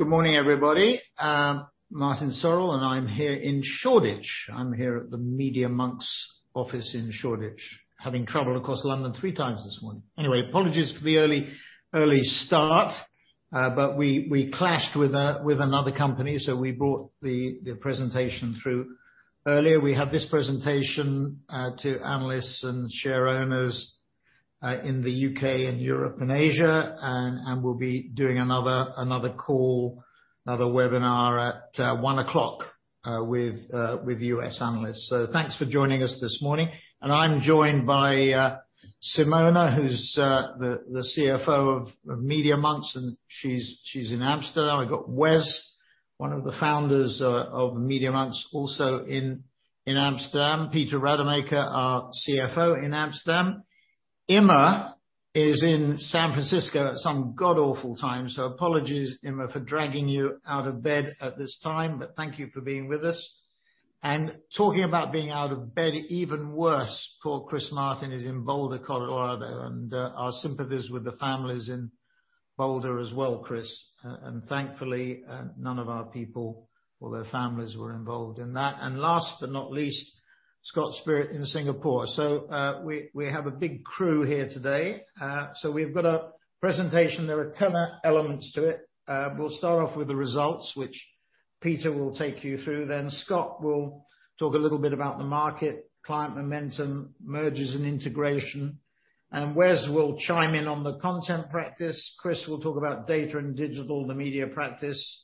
Good morning, everybody. Martin Sorrell. I'm here in Shoreditch. I'm here at the Media.Monks office in Shoreditch, having traveled across London three times this morning. Apologies for the early start. We clashed with another company. We brought the presentation through earlier. We have this presentation to analysts and share owners in the U.K. and Europe and Asia. We'll be doing another call, another webinar at 1:00 P.M. with U.S. analysts. Thanks for joining us this morning. I'm joined by Simona, who's the CFO of Media.Monks. She's in Amsterdam. I've got Wes, one of the founders of Media.Monks, also in Amsterdam. Peter Rademaker, our CFO in Amsterdam. Emma is in San Francisco at some god-awful time. Apologies, Emma, for dragging you out of bed at this time. Thank you for being with us. Talking about being out of bed, even worse, poor Chris Martin is in Boulder, Colorado, and our sympathies with the families in Boulder as well, Chris. Thankfully, none of our people or their families were involved in that. Last but not least, Scott Spirit in Singapore. We have a big crew here today. We've got a presentation. There are 10 elements to it. We'll start off with the results, which Peter will take you through. Scott will talk a little bit about the market, client momentum, mergers, and integration. Wes will chime in on the content practice. Chris will talk about Data & Digital, the media practice,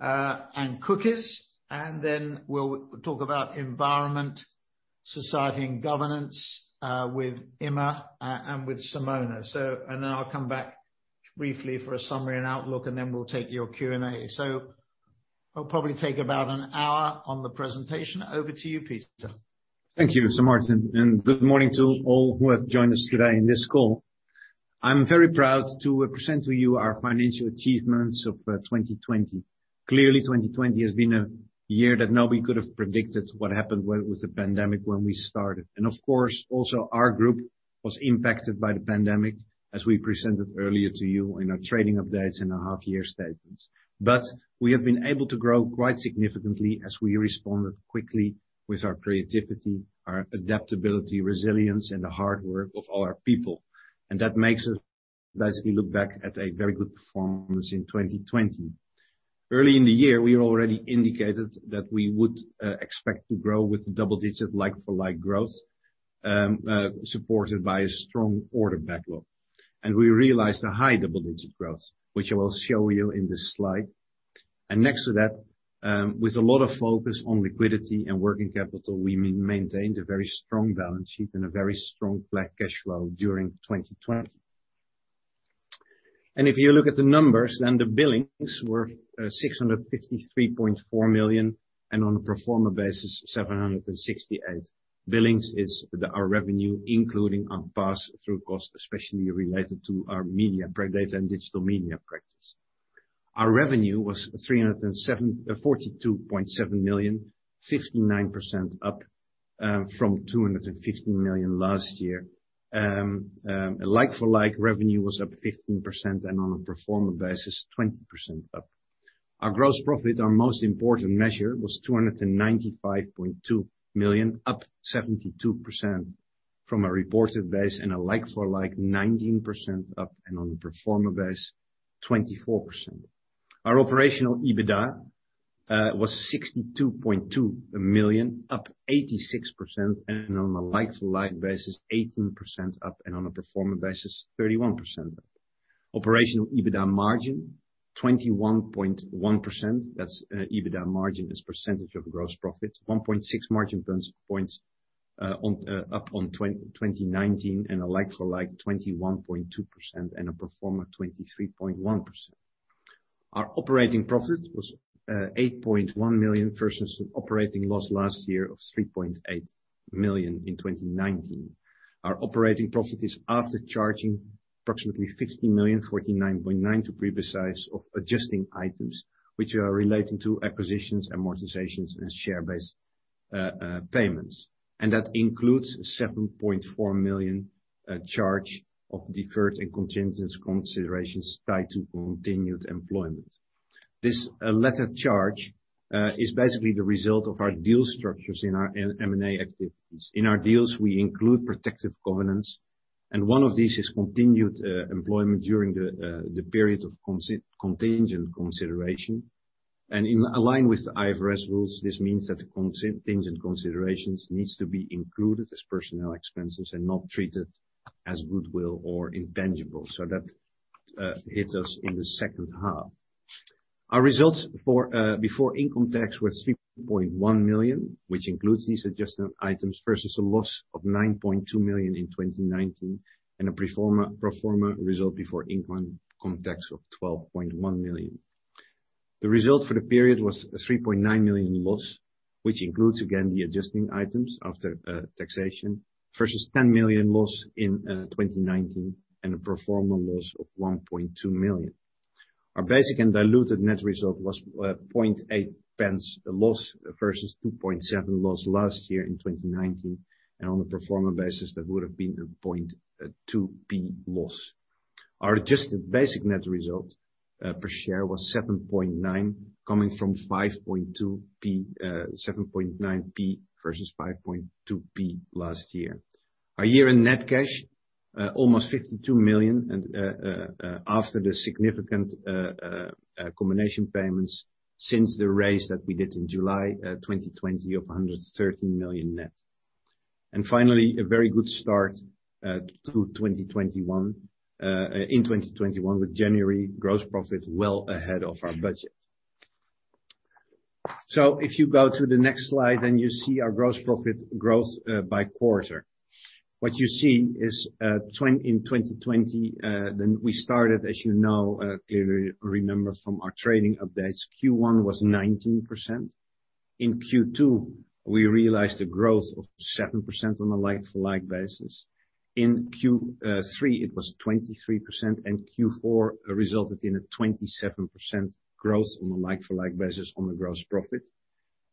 and cookies. Then we'll talk about environment, society, and governance, with Emma and with Simona. I'll come back briefly for a summary and outlook, and then we'll take your Q and A. It'll probably take about an hour on the presentation. Over to you, Peter. Thank you, Sir Martin, and good morning to all who have joined us today on this call. I'm very proud to present to you our financial achievements of 2020. Clearly 2020 has been a year that nobody could have predicted what happened with the pandemic when we started. Also our group was impacted by the pandemic, as we presented earlier to you in our trading updates and our half year statements. We have been able to grow quite significantly as we responded quickly with our creativity, our adaptability, resilience, and the hard work of all our people. That makes us basically look back at a very good performance in 2020. Early in the year, we already indicated that we would expect to grow with double-digit like-for-like growth, supported by a strong order backlog. We realized a high double-digit growth, which I will show you in this slide. Next to that, with a lot of focus on liquidity and working capital, we maintained a very strong balance sheet and a very strong cash flow during 2020. If you look at the numbers, the billings were 653.4 million, and on a pro forma basis, 768 million. Billings is our revenue, including our pass-through cost, especially related to our media, Data & Digital Media practice. Our revenue was 342.7 million, 59% up from 215 million last year. Like-for-like revenue was up 15%, and on a pro forma basis, 20% up. Our gross profit, our most important measure, was 295.2 million, up 72% from a reported base and a like-for-like 19% up, and on a pro forma basis, 24%. Our operational EBITDA was 62.2 million, up 86%, and on a like-to-like basis, 18% up, and on a pro forma basis, 31% up. Operational EBITDA margin 21.1%. That's EBITDA margin as percent of gross profit, 1.6% margin points up on 2019, and a like-for-like 21.2%, and a pro forma 23.1%. Our operating profit was 8.1 million versus operating loss last year of 3.8 million in 2019. Our operating profit is after charging approximately 16 million, 49.9 million to pre-besize of Adjusting Items which are relating to acquisitions, amortizations, and share-based payments. That includes 7.4 million charge of deferred and contingent considerations tied to continued employment. This latter charge is basically the result of our deal structures in our M&A activities. In our deals, we include protective governance, and one of these is continued employment during the period of contingent consideration. In line with the IFRS rules, this means that the contingent considerations needs to be included as personnel expenses and not treated as goodwill or intangible. That hits us in the second half. Our results before income tax were 3.1 million, which includes these Adjusting Items versus a loss of 9.2 million in 2019, and a pro forma result before income tax of 12.1 million. The result for the period was a 3.9 million loss, which includes, again, the Adjusting Items after taxation versus 10 million loss in 2019 and a pro forma loss of 1.2 million. Our basic and diluted net result was 0.008 loss versus 0.027 loss last year in 2019, and on a pro forma basis, that would have been a 0.002 loss. Our adjusted basic net result per share was 0.079, coming from 0.079 versus 0.052 last year. Our year-end net cash, almost 52 million, after the significant combination payments since the raise that we did in July 2020 of 113 million net. Finally, a very good start to in 2021 with January gross profit well ahead of our budget. If you go to the next slide, you see our gross profit growth by quarter. What you see is in 2020, we started, as you know, clearly remember from our trading updates, Q1 was 19%. In Q2, we realized a growth of 7% on a like-for-like basis. In Q3 it was 23%, Q4 resulted in a 27% growth on a like-for-like basis on the gross profit.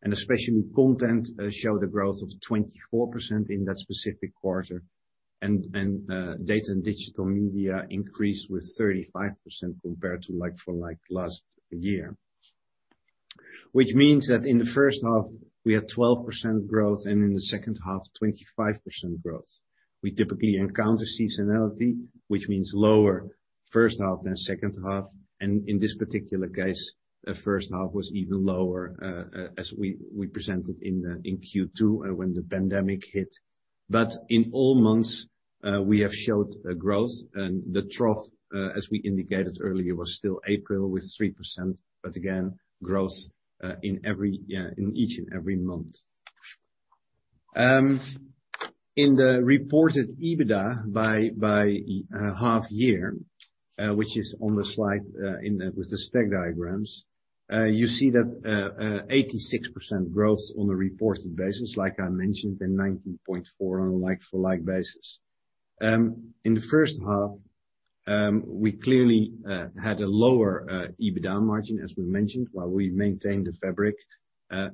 Especially content showed a growth of 24% in that specific quarter. Data & Digital Media increased with 35% compared to like-for-like last year. In the first half we had 12% growth, in the second half, 25% growth. We typically encounter seasonality, which means lower first half than second half. In this particular case, the first half was even lower as we presented in Q2 when the pandemic hit. In all months we have showed a growth. The trough, as we indicated earlier, was still April with 3%, again, growth in each and every month. In the reported EBITDA by half year, which is on the slide with the stack diagrams, you see that 86% growth on a reported basis, like I mentioned, and 19.4% on a like-for-like basis. In the first half, we clearly had a lower EBITDA margin, as we mentioned, while we maintained the fabric,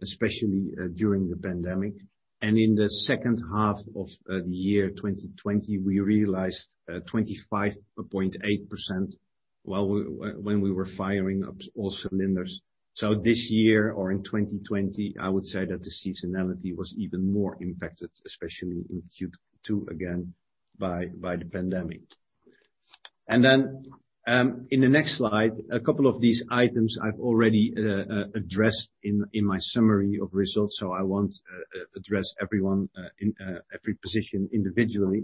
especially during the pandemic. In the second half of the year 2020, we realized 25.8% when we were firing up all cylinders. This year or in 2020, I would say that the seasonality was even more impacted, especially in Q2, again, by the pandemic. In the next slide, a couple of these items I've already addressed in my summary of results, so I won't address every position individually.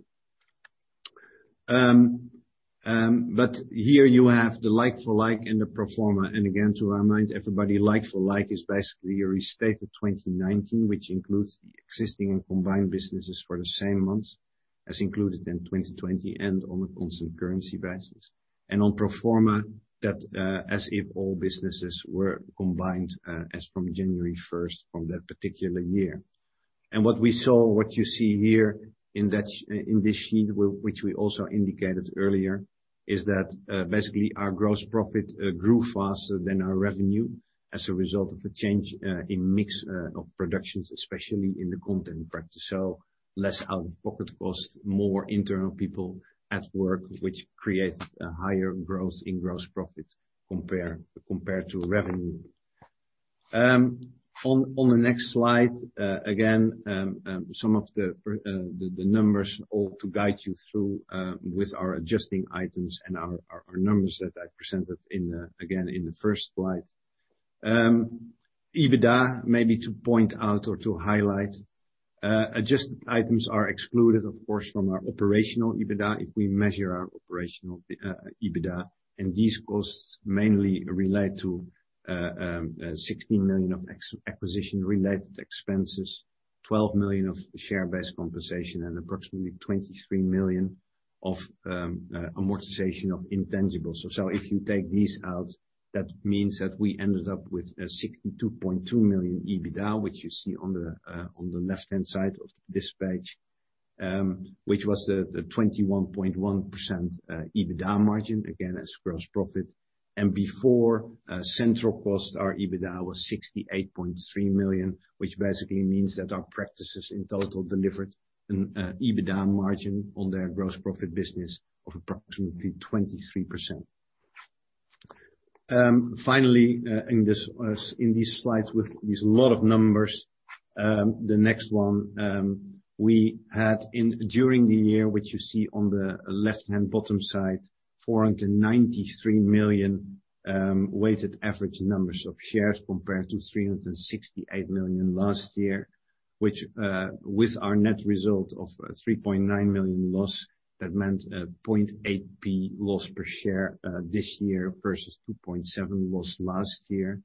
Here you have the like-for-like and the pro forma. Again, to remind everybody, like-for-like is basically a restate of 2019, which includes the existing and combined businesses for the same months as included in 2020 and on a constant currency basis. On pro forma, that as if all businesses were combined as from January 1st from that particular year. What we saw, what you see here in this sheet, which we also indicated earlier, is that basically our gross profit grew faster than our revenue as a result of a change in mix of productions, especially in the content practice. Less out-of-pocket costs, more internal people at work, which creates a higher growth in gross profit compared to revenue. On the next slide, again, some of the numbers all to guide you through with our Adjusting Items and our numbers that I presented, again, in the first slide. EBITDA, maybe to point out or to highlight, Adjusting Items are excluded, of course, from our operational EBITDA if we measure our operational EBITDA. These costs mainly relate to 16 million of acquisition-related expenses, 12 million of share-based compensation, and approximately 23 million of amortization of intangibles. If you take these out, that means that we ended up with a 62.2 million EBITDA, which you see on the left-hand side of this page, which was the 21.1% EBITDA margin, again, as gross profit. Before central costs, our EBITDA was 68.3 million, which basically means that our practices in total delivered an EBITDA margin on their gross profit business of approximately 23%. Finally, in these slides with these lot of numbers, the next one, we had during the year, which you see on the left-hand bottom side, 493 million weighted average numbers of shares compared to 368 million last year. With our net result of 3.9 million loss, that meant 0.008 loss per share this year versus 0.027 loss last year.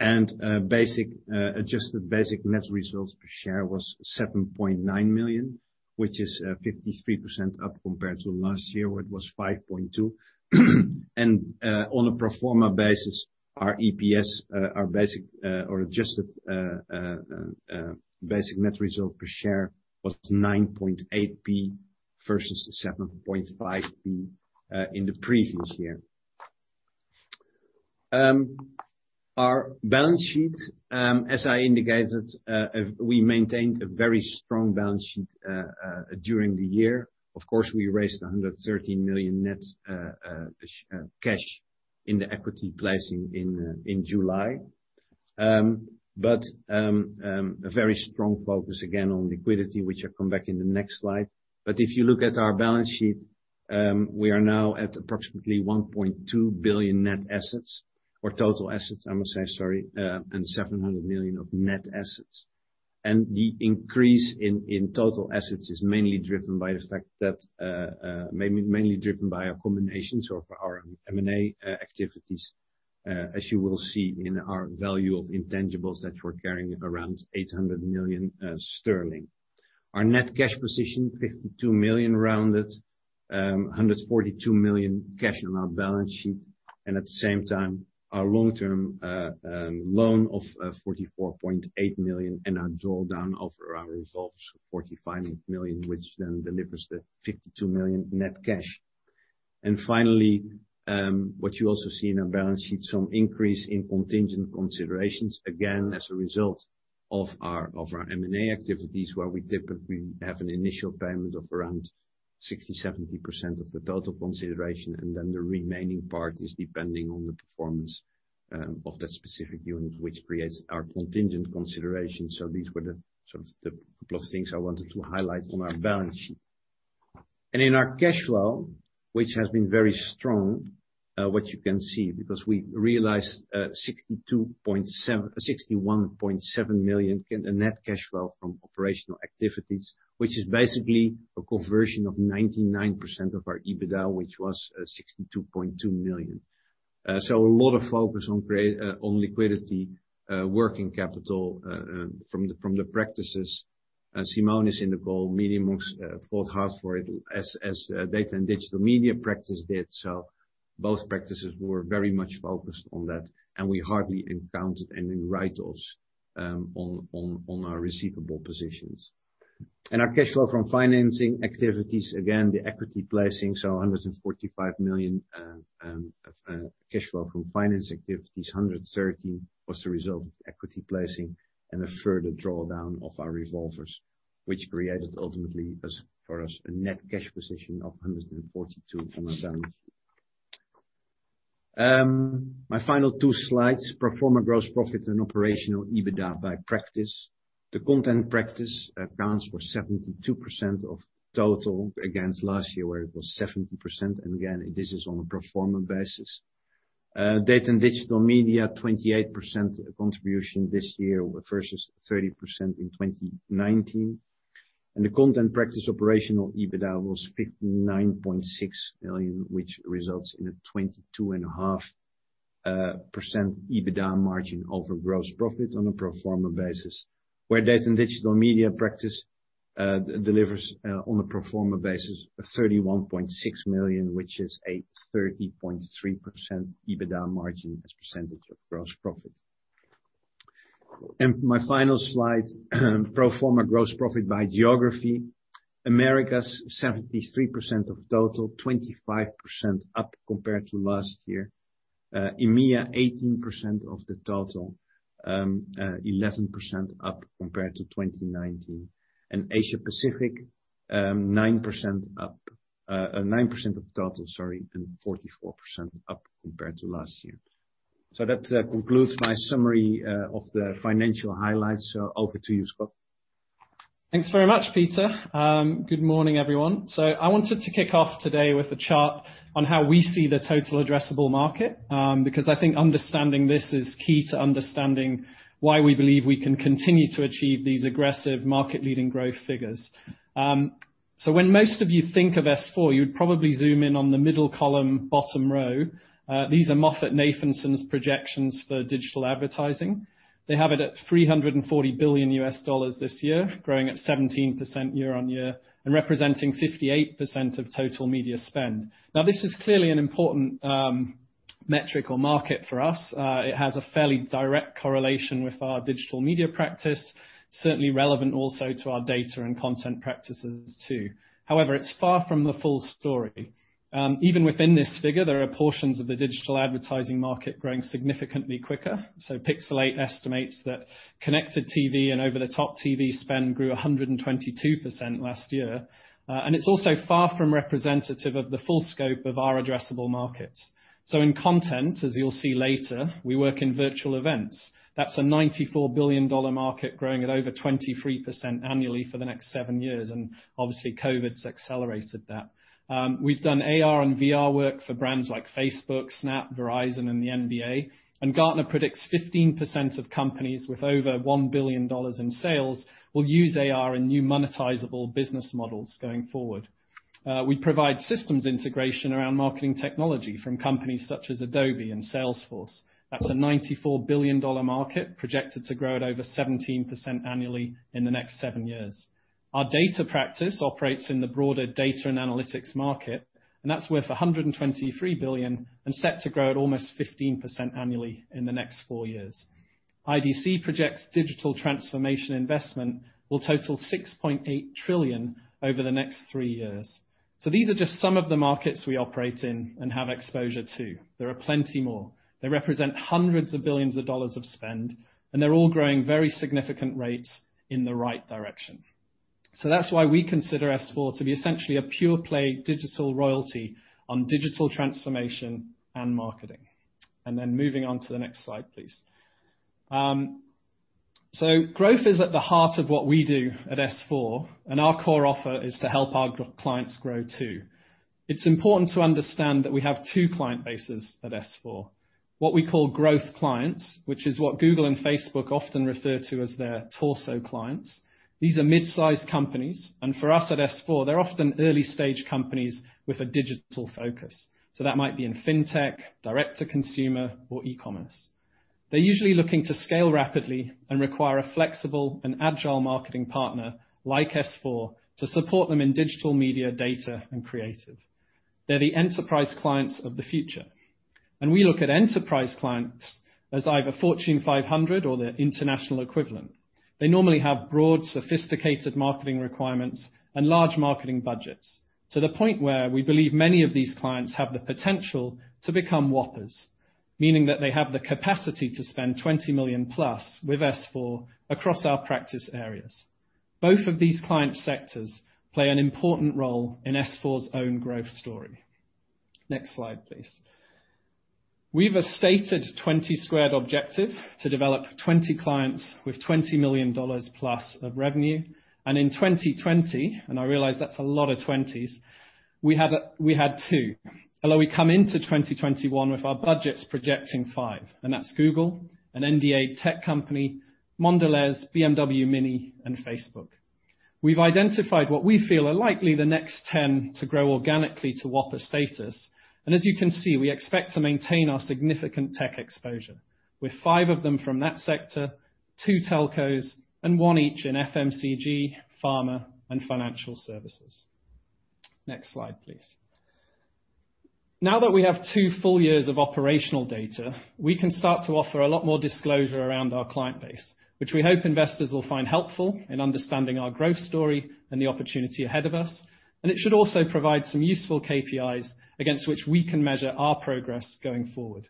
Adjusted basic net results per share was 7.9 million, which is 53% up compared to last year, where it was 5.2 million. On a pro forma basis, our EPS, our adjusted basic net result per share was 0.098 versus 0.075 in the previous year. Our balance sheet, as I indicated, we maintained a very strong balance sheet during the year. We raised 113 million net cash in the equity placing in July. A very strong focus again on liquidity, which I'll come back in the next slide. If you look at our balance sheet, we are now at approximately 1.2 billion net assets or total assets, I must say, sorry, and 700 million of net assets. The increase in total assets is mainly driven by a combination of our M&A activities, as you will see in our value of intangibles that we're carrying around 800 million sterling. Our net cash position, 52 million rounded, 142 million cash in our balance sheet, and at the same time, our long-term loan of 44.8 million and our draw down of our revolvers, 45 million, which then delivers the 52 million net cash. Finally, what you also see in our balance sheet, some increase in contingent considerations again, as a result of our M&A activities where we typically have an initial payment of around 60%, 70% of the total consideration, and then the remaining part is depending on the performance of that specific unit, which creates our contingent considerations. These were the couple of things I wanted to highlight on our balance sheet. In our cash flow, which has been very strong, what you can see, because we realized 61.7 million in net cash flow from operational activities, which is basically a conversion of 99% of our EBITDA, which was 62.2 million. A lot of focus on liquidity, working capital from the practices. Simona is in the call, Media.Monks fought hard for it as Data & Digital Media practice did so both practices were very much focused on that, and we hardly encountered any write-offs on our receivable positions. Our cash flow from financing activities, again, the equity placing, 145 million cash flow from financing activities, 113 million was a result of equity placing and a further drawdown of our revolvers, which created ultimately, for us, a net cash position of 142 million on our balance sheet. My final two slides, pro forma gross profit and operational EBITDA by practice. The Content practice accounts for 72% of total against last year, where it was 70%. Again, this is on a pro forma basis. Data & Digital Media, 28% contribution this year versus 30% in 2019. The Content practice operational EBITDA was 59.6 million, which results in a 22.5% EBITDA margin over gross profit on a pro forma basis. Where Data & Digital Media practice delivers on a pro forma basis a 31.6 million, which is a 30.3% EBITDA margin as a percentage of gross profit. My final slide, pro forma gross profit by geography. Americas, 73% of total, 25% up compared to last year. EMEA, 18% of the total, 11% up compared to 2019. Asia-Pacific, 9% of the total and 44% up compared to last year. That concludes my summary of the financial highlights. Over to you, Scott. Thanks very much, Peter. Good morning, everyone. I wanted to kick off today with a chart on how we see the total addressable market, because I think understanding this is key to understanding why we believe we can continue to achieve these aggressive market-leading growth figures. When most of you think of S4, you'd probably zoom in on the middle column, bottom row. These are MoffettNathanson's projections for digital advertising. They have it at $340 billion this year, growing at 17% year-over-year and representing 58% of total media spend. This is clearly an important metric or market for us. It has a fairly direct correlation with our Digital Media practice, certainly relevant also to our Data and Content practices too. However, it's far from the full story. Even within this figure, there are portions of the digital advertising market growing significantly quicker. Pixalate estimates that connected TV and over-the-top TV spend grew 122% last year. It's also far from representative of the full scope of our addressable markets. In Content, as you'll see later, we work in virtual events. That's a GBP 94 billion market growing at over 23% annually for the next seven years, and obviously COVID's accelerated that. We've done AR and VR work for brands like Facebook, Snap, Verizon, and the NBA. Gartner predicts 15% of companies with over GBP 1 billion in sales will use AR in new monetizable business models going forward. We provide systems integration around marketing technology from companies such as Adobe and Salesforce. That's a GBP 94 billion market projected to grow at over 17% annually in the next seven years. Our Data practice operates in the broader data and analytics market, and that is worth 123 billion and set to grow at almost 15% annually in the next four years. IDC projects digital transformation investment will total 6.8 trillion over the next three years. These are just some of the markets we operate in and have exposure to. There are plenty more. They represent hundreds of billions of U.S. dollars of spend, and they are all growing very significant rates in the right direction. That is why we consider S4 to be essentially a pure play digital royalty on digital transformation and marketing. Moving on to the next slide, please. Growth is at the heart of what we do at S4, and our core offer is to help our clients grow too. It is important to understand that we have two client bases at S4. What we call growth clients, which is what Google and Facebook often refer to as their torso clients. These are mid-size companies. For us at S4, they're often early-stage companies with a digital focus. That might be in fintech, direct to consumer or e-commerce. They're usually looking to scale rapidly and require a flexible and agile marketing partner, like S4, to support them in digital media data and creative. They're the enterprise clients of the future. We look at enterprise clients as either Fortune 500 or their international equivalent. They normally have broad, sophisticated marketing requirements and large marketing budgets, to the point where we believe many of these clients have the potential to become Whoppers, meaning that they have the capacity to spend 20 million plus with S4 across our practice areas. Both of these client sectors play an important role in S4 own growth story. Next slide, please. We've a stated 20 Squared objective to develop 20 clients with $20 million plus of revenue. In 2020, and I realize that's a lot of 20s, we had two. Although we come into 2021 with our budgets projecting five, and that's Google, an NDA tech company, Mondelēz, BMW Mini, and Facebook. We've identified what we feel are likely the next 10 to grow organically to Whopper status. As you can see, we expect to maintain our significant tech exposure, with five of them from that sector, two telcos, and one each in FMCG, pharma, and financial services. Next slide, please. Now that we have two full years of operational data, we can start to offer a lot more disclosure around our client base, which we hope investors will find helpful in understanding our growth story and the opportunity ahead of us. It should also provide some useful KPIs against which we can measure our progress going forward.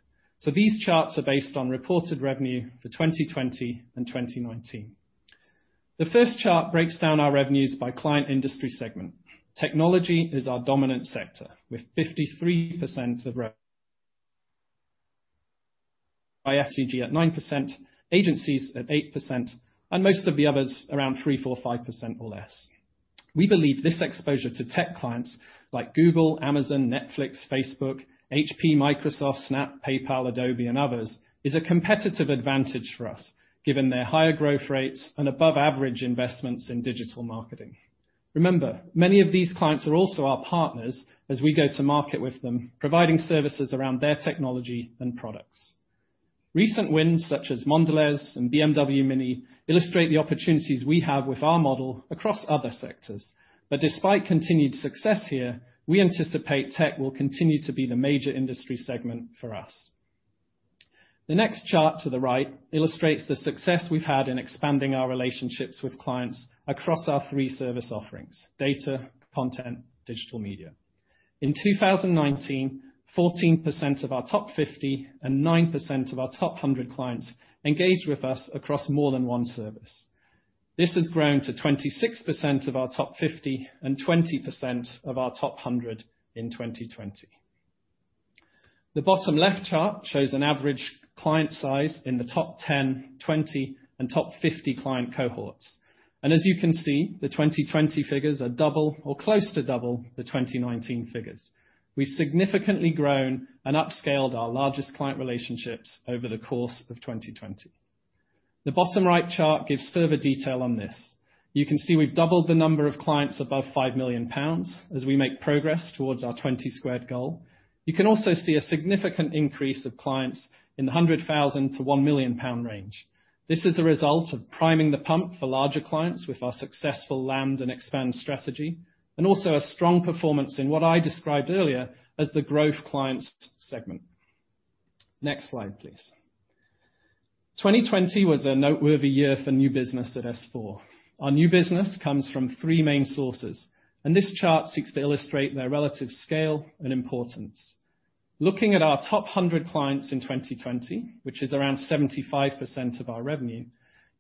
These charts are based on reported revenue for 2020 and 2019. The first chart breaks down our revenues by client industry segment. Technology is our dominant sector, with 53% of revenue by FMCG at 9%, agencies at 8%, and most of the others around 3%, 4%, 5% or less. We believe this exposure to tech clients like Google, Amazon, Netflix, Facebook, HP, Microsoft, Snap, PayPal, Adobe, and others, is a competitive advantage for us, given their higher growth rates and above average investments in digital marketing. Remember, many of these clients are also our partners as we go to market with them, providing services around their technology and products. Recent wins, such as Mondelēz and BMW Mini, illustrate the opportunities we have with our model across other sectors. Despite continued success here, we anticipate tech will continue to be the major industry segment for us. The next chart to the right illustrates the success we've had in expanding our relationships with clients across our three service offerings: Data, Content, Digital Media. In 2019, 14% of our top 50 and 9% of our top 100 clients engaged with us across more than one service. This has grown to 26% of our top 50 and 20% of our top 100 in 2020. The bottom left chart shows an average client size in the top 10, 20, and top 50 client cohorts. As you can see, the 2020 figures are double or close to double the 2019 figures. We've significantly grown and upscaled our largest client relationships over the course of 2020. The bottom right chart gives further detail on this. You can see we've doubled the number of clients above 5 million pounds as we make progress towards our 20 Squared goal. You can also see a significant increase of clients in the 100,000-1 million pound range. This is the result of priming the pump for larger clients with our successful land and expand strategy, also a strong performance in what I described earlier as the growth clients segment. Next slide, please. 2020 was a noteworthy year for new business at S4. Our new business comes from three main sources. This chart seeks to illustrate their relative scale and importance. Looking at our top 100 clients in 2020, which is around 75% of our revenue,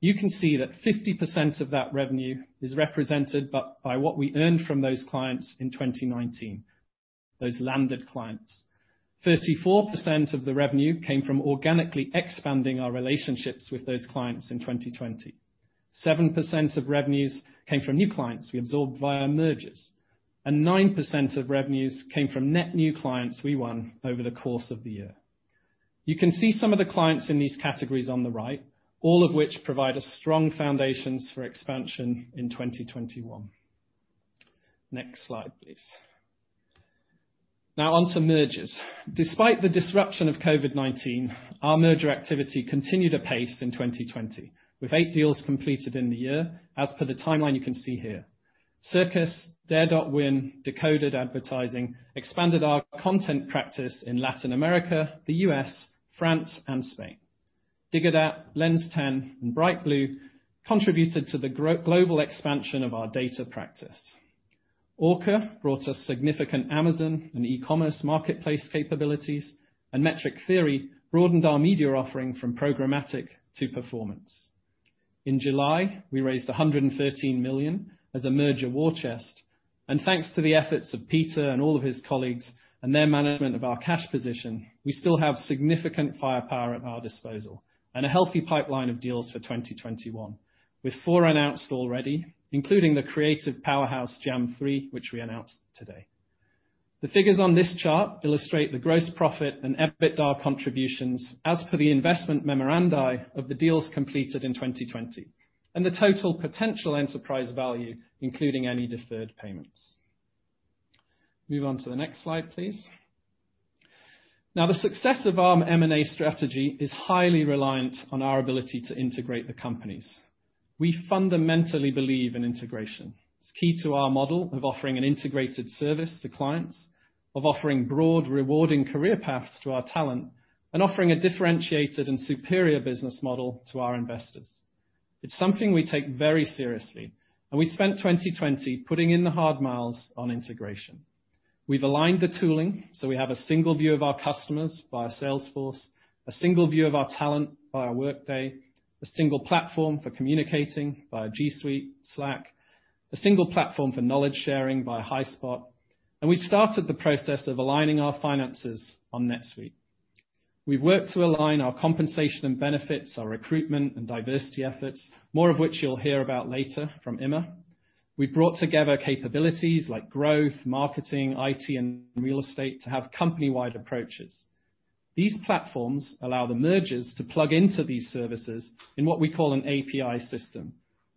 you can see that 50% of that revenue is represented by what we earned from those clients in 2019, those landed clients. 34% of the revenue came from organically expanding our relationships with those clients in 2020. 7% of revenues came from new clients we absorbed via mergers, and 9% of revenues came from net new clients we won over the course of the year. You can see some of the clients in these categories on the right, all of which provide us strong foundations for expansion in 2021. Next slide, please. Now on to mergers. Despite the disruption of COVID-19, our merger activity continued apace in 2020, with eight deals completed in the year as per the timeline you can see here. Circus, Dare.Win, Decoded Advertising expanded our content practice in Latin America, the U.S., France, and Spain. Digodat, Lens10, and Brightblue contributed to the global expansion of our data practice. Orca brought us significant Amazon and e-commerce marketplace capabilities. Metric Theory broadened our media offering from programmatic to performance. In July, we raised 113 million as a merger war chest. Thanks to the efforts of Peter and all of his colleagues and their management of our cash position, we still have significant firepower at our disposal and a healthy pipeline of deals for 2021, with four announced already, including the creative powerhouse Jam3, which we announced today. The figures on this chart illustrate the gross profit and EBITDA contributions as per the investment memoranda of the deals completed in 2020. The total potential enterprise value, including any deferred payments. Move on to the next slide, please. The success of our M&A strategy is highly reliant on our ability to integrate the companies. We fundamentally believe in integration. It's key to our model of offering an integrated service to clients, of offering broad, rewarding career paths to our talent, and offering a differentiated and superior business model to our investors. It's something we take very seriously, we spent 2020 putting in the hard miles on integration. We've aligned the tooling so we have a single view of our customers via Salesforce, a single view of our talent via Workday, a single platform for communicating via G Suite, Slack, a single platform for knowledge-sharing via Highspot, we started the process of aligning our finances on NetSuite. We've worked to align our compensation and benefits, our recruitment and diversity efforts, more of which you'll hear about later from Emma. We've brought together capabilities like growth, marketing, IT, and real estate to have company-wide approaches. These platforms allow the mergers to plug into these services in what we call an API system,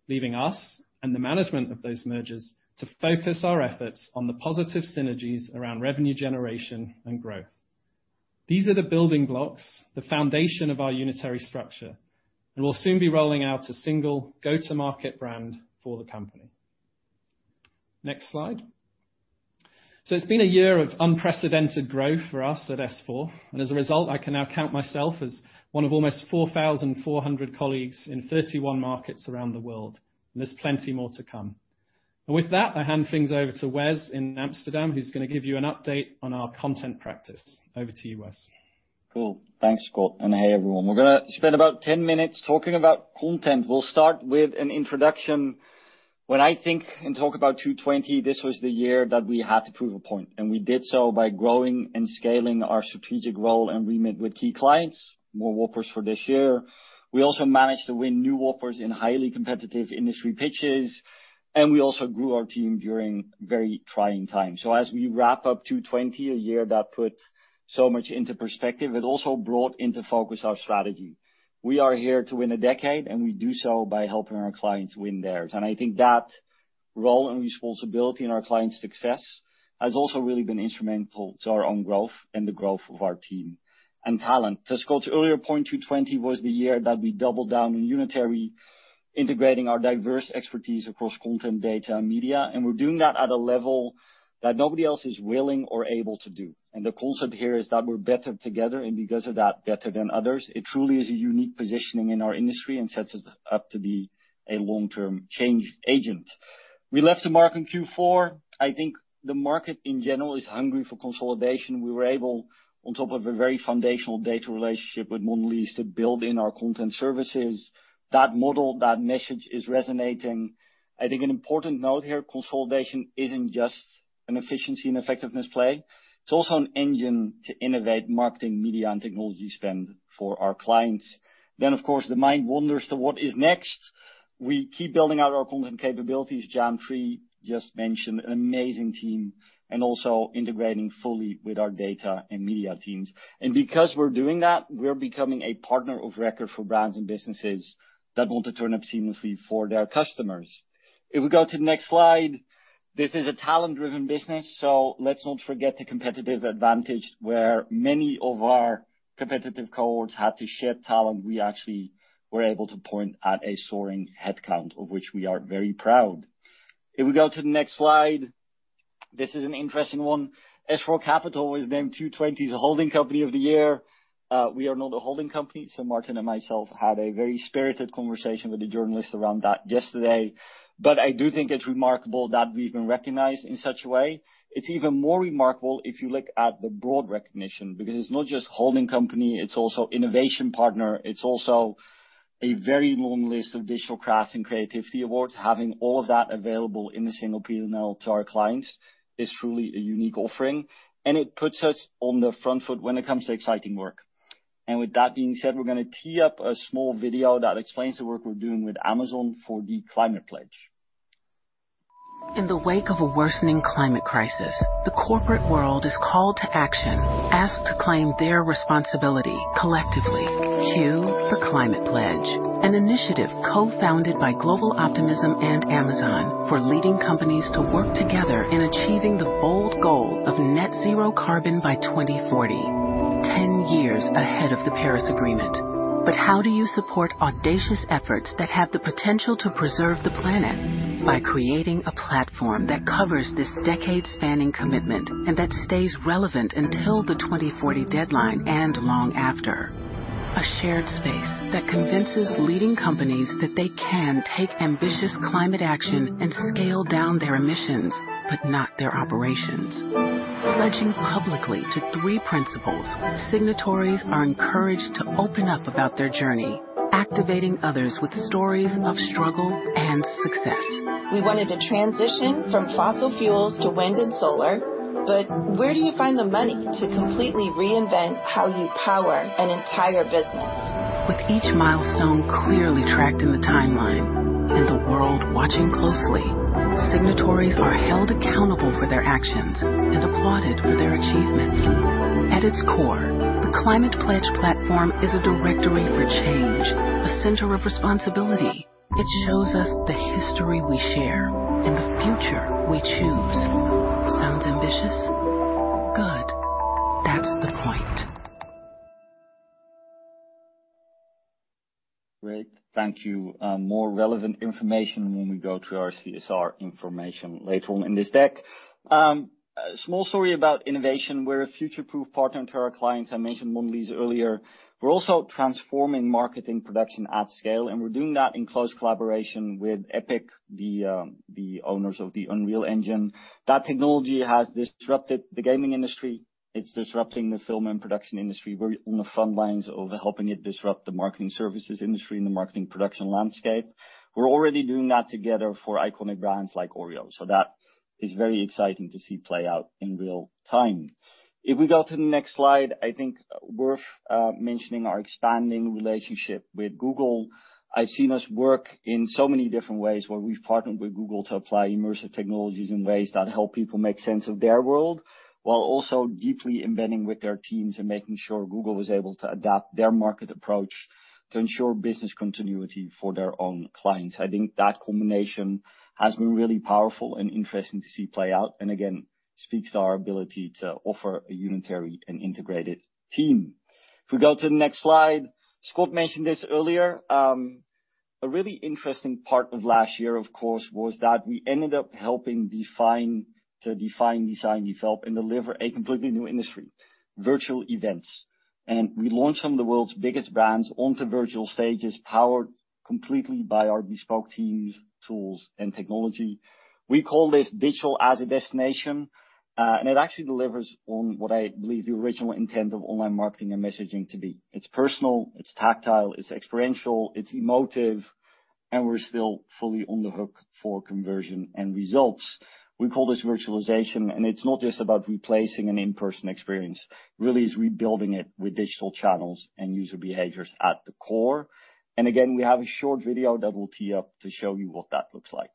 leaving us and the management of those mergers to focus our efforts on the positive synergies around revenue generation and growth. These are the building blocks, the foundation of our unitary structure. We'll soon be rolling out a single go-to-market brand for the company. Next slide. It's been a year of unprecedented growth for us at S4, and as a result, I can now count myself as one of almost 4,400 colleagues in 31 markets around the world. There's plenty more to come. With that, I hand things over to Wes in Amsterdam, who's going to give you an update on our content practice. Over to you, Wes. Cool. Thanks, Scott. Hey, everyone. We're going to spend about 10 minutes talking about content. We'll start with an introduction. When I think and talk about 2020, this was the year that we had to prove a point. We did so by growing and scaling our strategic role and remit with key clients, more winners for this year. We also managed to win new offers in highly competitive industry pitches. We also grew our team during very trying times. As we wrap up 2020, a year that put so much into perspective, it also brought into focus our strategy. We are here to win a decade. We do so by helping our clients win theirs. I think that role and responsibility in our clients' success has also really been instrumental to our own growth and the growth of our team and talent. To Scott's earlier point, 2020 was the year that we doubled down on unitary, integrating our diverse expertise across content, data, and media, and we're doing that at a level that nobody else is willing or able to do. The concept here is that we're better together, and because of that, better than others. It truly is a unique positioning in our industry and sets us up to be a long-term change agent. We left the mark in Q4. I think the market, in general, is hungry for consolidation. We were able, on top of a very foundational data relationship with Mondelēz, to build in our content services. That model, that message is resonating. I think an important note here, consolidation isn't just an efficiency and effectiveness play. It's also an engine to innovate marketing, media, and technology spend for our clients. Of course, the mind wonders to what is next. We keep building out our content capabilities. Jam3 just mentioned an amazing team, and also integrating fully with our data and media teams. Because we're doing that, we're becoming a partner of record for brands and businesses that want to turn up seamlessly for their customers. If we go to the next slide, this is a talent-driven business, so let's not forget the competitive advantage where many of our competitive cohorts had to shed talent. We actually were able to point at a soaring headcount, of which we are very proud. If we go to the next slide, this is an interesting one. S4Capital was named 2020's Holding Company of the Year. We are not a holding company. Martin and myself had a very spirited conversation with the journalists around that yesterday. I do think it's remarkable that we've been recognized in such a way. It's even more remarkable if you look at the broad recognition, because it's not just Holding Company, it's also innovation partner. It's also a very long list of digital craft and creativity awards. Having all of that available in a single P&L to our clients is truly a unique offering, and it puts us on the front foot when it comes to exciting work. With that being said, we're going to tee up a small video that explains the work we're doing with Amazon for The Climate Pledge. In the wake of a worsening climate crisis, the corporate world is called to action, asked to claim their responsibility collectively. Cue The Climate Pledge, an initiative co-founded by Global Optimism and Amazon, for leading companies to work together in achieving the bold goal of net zero carbon by 2040, 10 years ahead of the Paris Agreement. How do you support audacious efforts that have the potential to preserve the planet? By creating a platform that covers this decade-spanning commitment and that stays relevant until the 2040 deadline and long after. A shared space that convinces leading companies that they can take ambitious climate action and scale down their emissions, but not their operations. Pledging publicly to three principles, signatories are encouraged to open up about their journey, activating others with stories of struggle and success. We wanted to transition from fossil fuels to wind and solar, but where do you find the money to completely reinvent how you power an entire business? With each milestone clearly tracked in the timeline and the world watching closely, signatories are held accountable for their actions and applauded for their achievements. At its core, The Climate Pledge platform is a directory for change, a center of responsibility. It shows us the history we share and the future we choose. Sounds ambitious? Good. That's the point. Great. Thank you. More relevant information when we go through our CSR information later on in this deck. Small story about innovation. We're a future-proof partner to our clients. I mentioned Mondelēz earlier. We're also transforming marketing production at scale, and we're doing that in close collaboration with Epic, the owners of the Unreal Engine. That technology has disrupted the gaming industry. It's disrupting the film and production industry. We're on the front lines of helping it disrupt the marketing services industry and the marketing production landscape. We're already doing that together for iconic brands like Oreo, so that is very exciting to see play out in real time. If we go to the next slide, I think worth mentioning our expanding relationship with Google. I've seen us work in so many different ways, where we've partnered with Google to apply immersive technologies in ways that help people make sense of their world, while also deeply embedding with their teams and making sure Google was able to adapt their market approach to ensure business continuity for their own clients. I think that combination has been really powerful and interesting to see play out. Again, speaks to our ability to offer a unitary and integrated team. If we go to the next slide. Scott mentioned this earlier. A really interesting part of last year, of course, was that we ended up helping to define, design, develop, and deliver a completely new industry, virtual events. We launched some of the world's biggest brands onto virtual stages, powered completely by our bespoke teams, tools, and technology. We call this digital as a destination, and it actually delivers on what I believe the original intent of online marketing and messaging to be. It's personal, it's tactile, it's experiential, it's emotive, and we're still fully on the hook for conversion end results. We call this virtualization, and it's not just about replacing an in-person experience. Really, it's rebuilding it with digital channels and user behaviors at the core. Again, we have a short video that we'll tee up to show you what that looks like.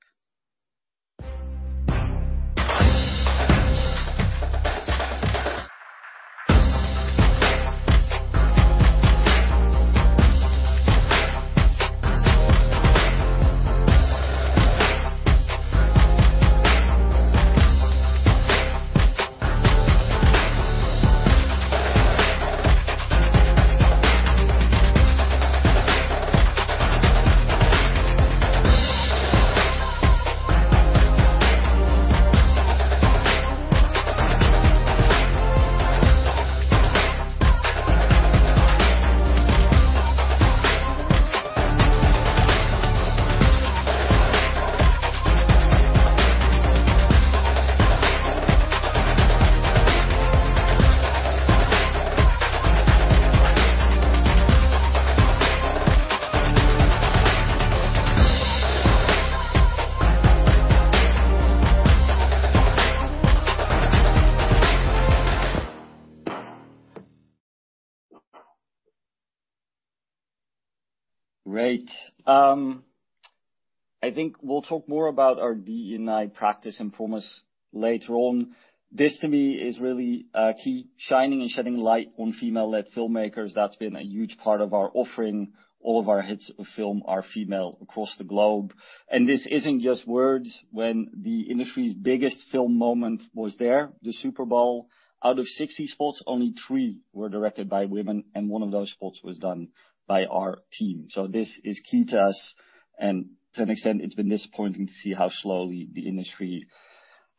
Great. I think we'll talk more about our DE&I practice and promise later on. This, to me, is really a key, shining and shedding light on female-led filmmakers. That's been a huge part of our offering. All of our hits of film are female across the globe. This isn't just words. When the industry's biggest film moment was there, the Super Bowl, out of 60 spots, only three were directed by women, and one of those spots was done by our team. This is key to us, and to an extent, it's been disappointing to see how slowly the industry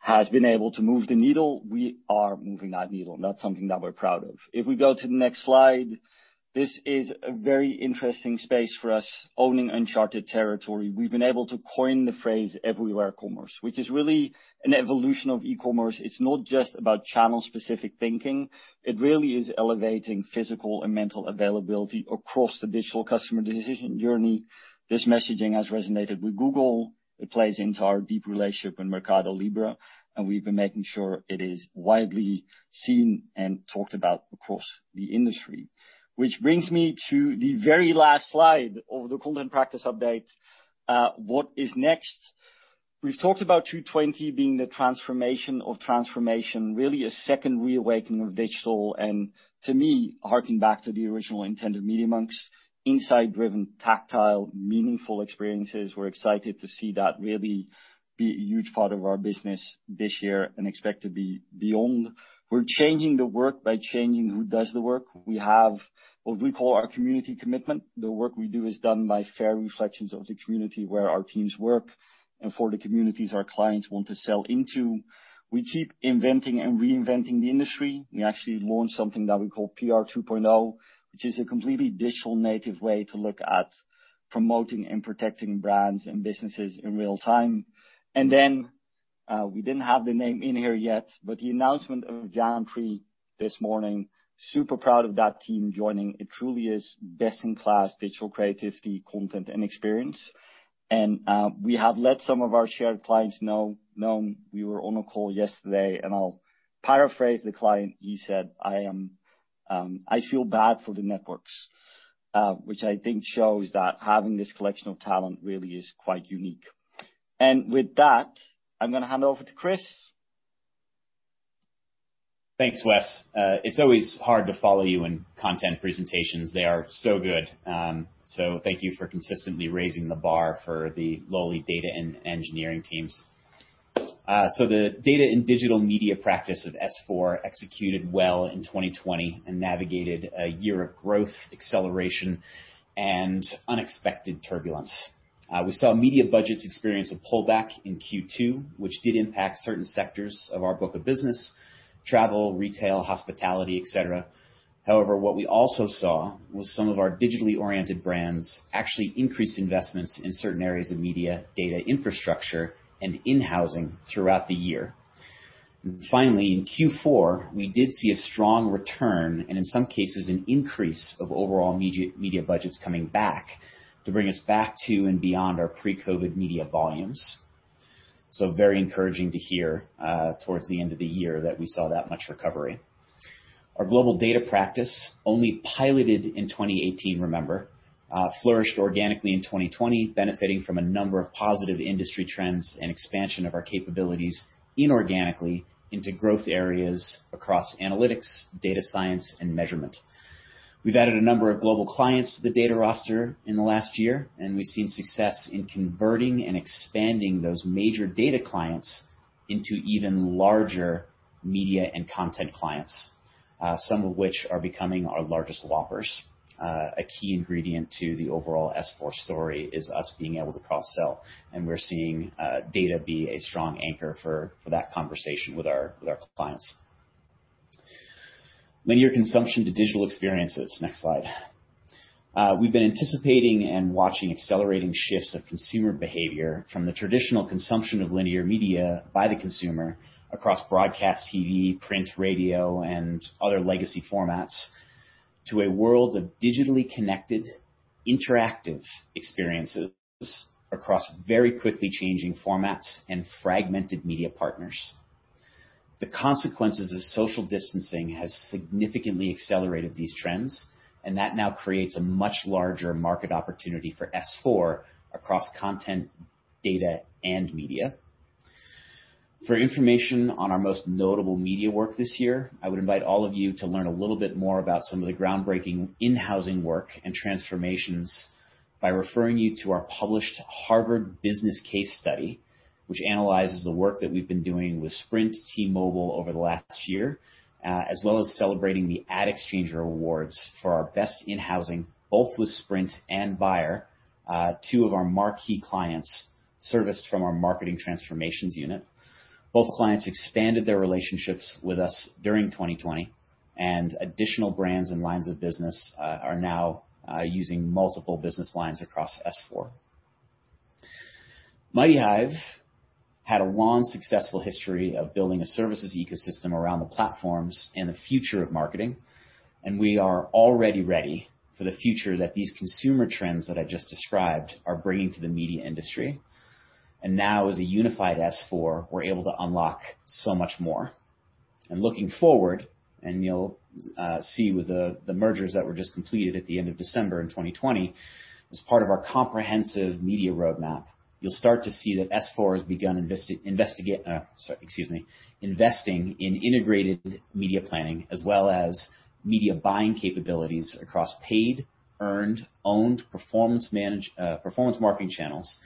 has been able to move the needle. We are moving that needle. That's something that we're proud of. If we go to the next slide. This is a very interesting space for us, owning uncharted territory. We've been able to coin the phrase Everywhere Commerce, which is really an evolution of e-commerce. It's not just about channel-specific thinking. It really is elevating physical and mental availability across the digital customer decision journey. This messaging has resonated with Google. It plays into our deep relationship with Mercado Libre, and we've been making sure it is widely seen and talked about across the industry. Brings me to the very last slide of the content practice update. What is next? We've talked about 2020 being the transformation of transformation, really a second reawakening of digital. To me, harking back to the original intent of Media.Monks, insight-driven, tactile, meaningful experiences. We're excited to see that really be a huge part of our business this year and expect to be beyond. We're changing the work by changing who does the work. We have what we call our community commitment. The work we do is done by fair reflections of the community where our teams work and for the communities our clients want to sell into. We keep inventing and reinventing the industry. We actually launched something that we call PR 2.0, which is a completely digital native way to look at promoting and protecting brands and businesses in real time. We didn't have the name in here yet, but the announcement of Jam3 this morning, super proud of that team joining. It truly is best in class digital creativity, content, and experience. We have let some of our shared clients know. We were on a call yesterday, and I'll paraphrase the client. He said, "I feel bad for the networks," which I think shows that having this collection of talent really is quite unique. With that, I'm going to hand over to Chris. Thanks, Wes. It's always hard to follow you in content presentations. They are so good. Thank you for consistently raising the bar for the lowly data and engineering teams. The Data & Digital Media practice of S4 executed well in 2020 and navigated a year of growth, acceleration, and unexpected turbulence. We saw media budgets experience a pullback in Q2, which did impact certain sectors of our book of business, travel, retail, hospitality, et cetera. However, what we also saw was some of our digitally oriented brands actually increase investments in certain areas of media data infrastructure and in-housing throughout the year. Finally, in Q4, we did see a strong return, and in some cases, an increase of overall media budgets coming back to bring us back to and beyond our pre-COVID media volumes. Very encouraging to hear, towards the end of the year that we saw that much recovery. Our global data practice only piloted in 2018, remember, flourished organically in 2020, benefiting from a number of positive industry trends and expansion of our capabilities inorganically into growth areas across analytics, data science, and measurement. We've added a number of global clients to the data roster in the last year, and we've seen success in converting and expanding those major data clients into even larger media and content clients, some of which are becoming our largest Whoppers. A key ingredient to the overall S4 story is us being able to cross-sell, and we're seeing data be a strong anchor for that conversation with our clients. Linear consumption to digital experiences. Next slide. We've been anticipating and watching accelerating shifts of consumer behavior from the traditional consumption of linear media by the consumer across broadcast TV, print, radio, and other legacy formats, to a world of digitally connected interactive experiences across very quickly changing formats and fragmented media partners. The consequences of social distancing has significantly accelerated these trends, and that now creates a much larger market opportunity for S4 across content, data, and media. For information on our most notable media work this year, I would invite all of you to learn a little bit more about some of the groundbreaking in-housing work and transformations by referring you to our published Harvard Business School case study, which analyzes the work that we've been doing with Sprint T-Mobile over the last year, as well as celebrating the AdExchanger Awards for our best in-housing, both with Sprint and Bayer, two of our marquee clients serviced from our marketing transformations unit. Both clients expanded their relationships with us during 2020, and additional brands and lines of business are now using multiple business lines across S4. MightyHive had a long, successful history of building a services ecosystem around the platforms and the future of marketing, and we are already ready for the future that these consumer trends that I just described are bringing to the media industry. Now, as a unified S4, we're able to unlock so much more. Looking forward, you'll see with the mergers that were just completed at the end of December in 2020, as part of our comprehensive media roadmap, you'll start to see that S4 has begun investing in integrated media planning as well as media buying capabilities across paid, earned, owned, performance marketing channels,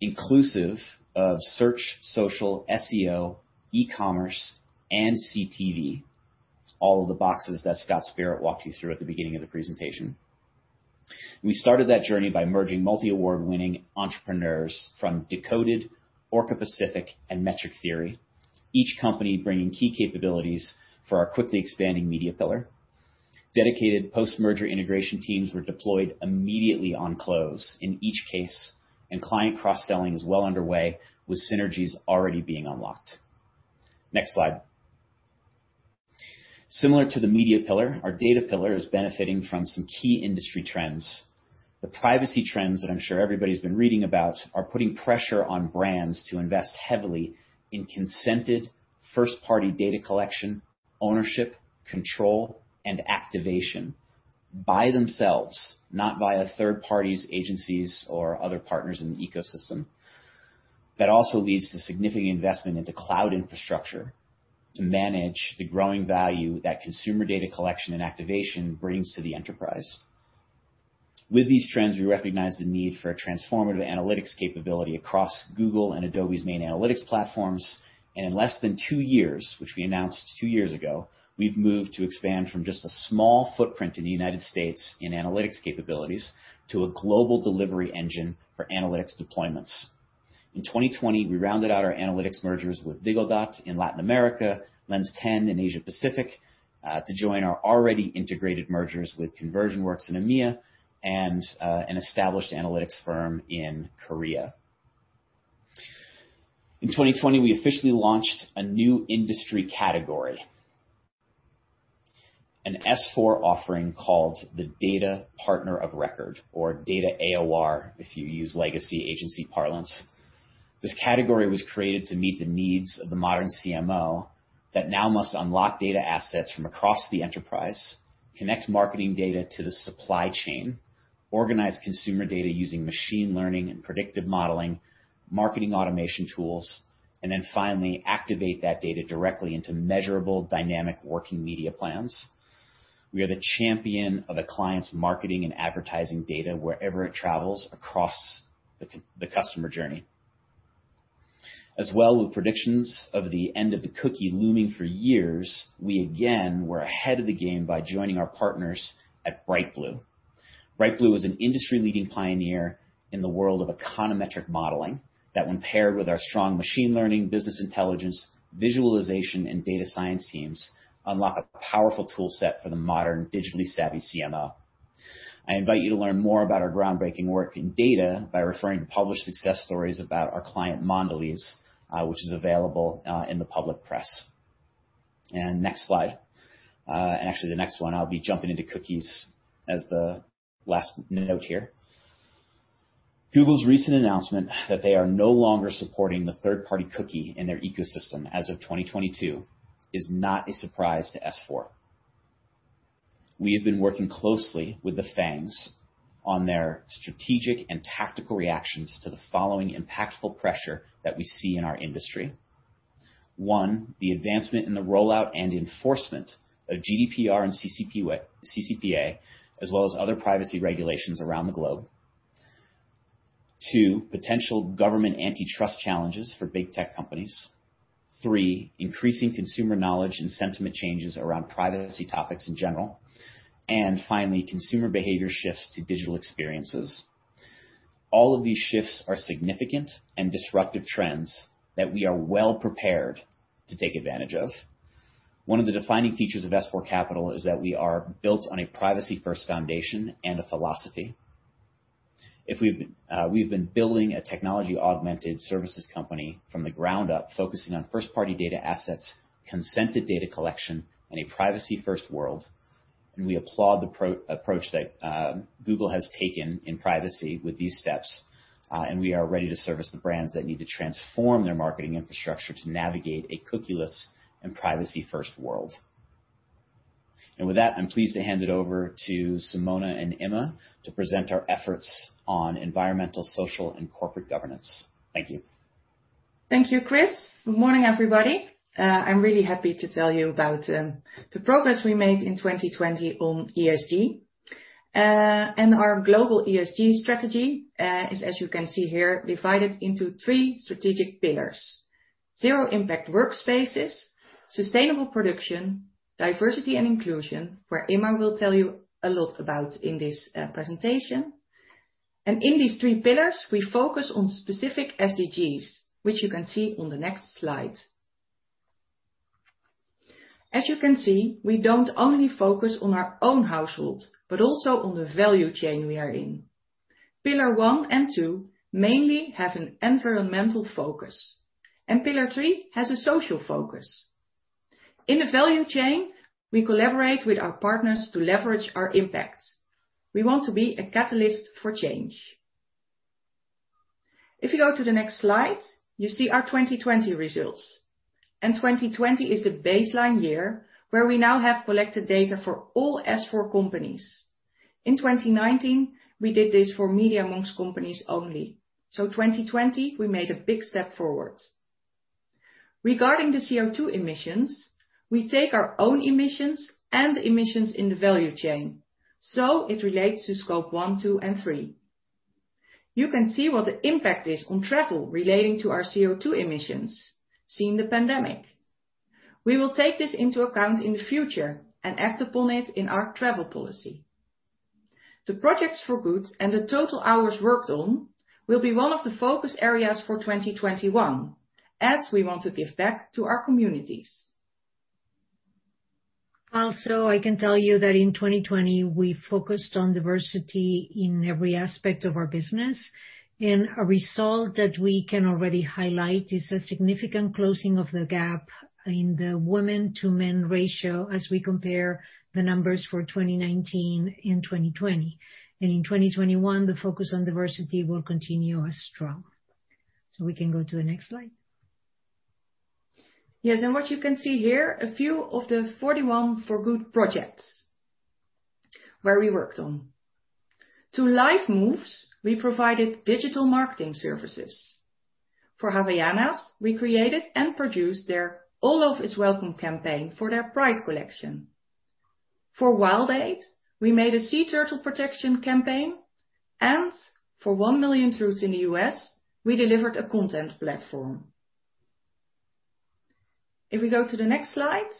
inclusive of search, social, SEO, e-commerce, and CTV. All of the boxes that Scott Spirit walked you through at the beginning of the presentation. We started that journey by merging multi-award-winning entrepreneurs from Decoded, Orca Pacific, and Metric Theory, each company bringing key capabilities for our quickly expanding media pillar. Dedicated post-merger integration teams were deployed immediately on close in each case, and client cross-selling is well underway, with synergies already being unlocked. Next slide. Similar to the media pillar, our data pillar is benefiting from some key industry trends. The privacy trends that I'm sure everybody's been reading about are putting pressure on brands to invest heavily in consented first-party data collection, ownership, control, and activation by themselves, not by a third party's agencies or other partners in the ecosystem. That also leads to significant investment into cloud infrastructure to manage the growing value that consumer data collection and activation brings to the enterprise. With these trends, we recognize the need for a transformative analytics capability across Google and Adobe's main analytics platforms. And in less than two years, which we announced two years ago, we've moved to expand from just a small footprint in the United States in analytics capabilities to a global delivery engine for analytics deployments. In 2020, we rounded out our analytics mergers with Digodat in Latin America, Lens10 in Asia Pacific, to join our already integrated mergers with ConversionWorks in EMEA and an established analytics firm in Korea. In 2020, we officially launched a new industry category. An S4 offering called the Data Partner of Record or Data AOR, if you use legacy agency parlance. This category was created to meet the needs of the modern CMO that now must unlock data assets from across the enterprise, connect marketing data to the supply chain, organize consumer data using machine learning and predictive modeling, marketing automation tools, and then finally activate that data directly into measurable, dynamic working media plans. We are the champion of a client's marketing and advertising data wherever it travels across the customer journey. As well, with predictions of the end of the cookie looming for years, we again were ahead of the game by joining our partners at Brightblue. Brightblue is an industry-leading pioneer in the world of econometric modeling that when paired with our strong machine learning, business intelligence, visualization, and data science teams, unlock a powerful tool set for the modern, digitally savvy CMO. I invite you to learn more about our groundbreaking work in data by referring to published success stories about our client, Mondelēz, which is available in the public press. Next slide. Actually the next one, I'll be jumping into cookies as the last note here. Google's recent announcement that they are no longer supporting the third-party cookie in their ecosystem as of 2022 is not a surprise to S4. We have been working closely with the FANGs on their strategic and tactical reactions to the following impactful pressure that we see in our industry. One, the advancement in the rollout and enforcement of GDPR and CCPA, as well as other privacy regulations around the globe. Two, potential government antitrust challenges for big tech companies. Three, increasing consumer knowledge and sentiment changes around privacy topics in general. Finally, consumer behavior shifts to digital experiences. All of these shifts are significant and disruptive trends that we are well-prepared to take advantage of. One of the defining features of S4Capital is that we are built on a privacy-first foundation and a philosophy. We've been building a technology-augmented services company from the ground up, focusing on first-party data assets, consented data collection, and a privacy-first world. We applaud the approach that Google has taken in privacy with these steps. We are ready to service the brands that need to transform their marketing infrastructure to navigate a cookie-less and privacy-first world. With that, I am pleased to hand it over to Simona and Emma to present our efforts on environmental, social, and corporate governance. Thank you. Thank you, Chris. Good morning, everybody. I am really happy to tell you about the progress we made in 2020 on ESG. Our global ESG strategy is, as you can see here, divided into three strategic pillars. Zero-impact workspaces, sustainable production, diversity and inclusion, where Emma will tell you a lot about in this presentation. In these three pillars, we focus on specific SDGs, which you can see on the next slide. As you can see, we do not only focus on our own household, but also on the value chain we are in. Pillar one and two mainly have an environmental focus, and pillar three has a social focus. In the value chain, we collaborate with our partners to leverage our impact. We want to be a catalyst for change. If you go to the next slide, you see our 2020 results. 2020 is the baseline year where we now have collected data for all S4 companies. In 2019, we did this for Media.Monks companies only. 2020, we made a big step forward. Regarding the CO2 emissions, we take our own emissions and emissions in the value chain. It relates to scope one, two, and three. You can see what the impact is on travel relating to our CO2 emissions, seeing the pandemic. We will take this into account in the future and act upon it in our travel policy. The projects for good and the total hours worked on will be one of the focus areas for 2021, as we want to give back to our communities. I can tell you that in 2020, we focused on diversity in every aspect of our business, and a result that we can already highlight is a significant closing of the gap in the women to men ratio as we compare the numbers for 2019 and 2020. In 2021, the focus on diversity will continue as strong. We can go to the next slide. Yes, what you can see here, a few of the 41 for good projects where we worked on. To LifeMoves, we provided digital marketing services. For Havaianas, we created and produced their All Love is Welcome campaign for their Pride collection. For WildAid, we made a sea turtle protection campaign. For One Million Truths in the U.S., we delivered a content platform. If we go to the next slide.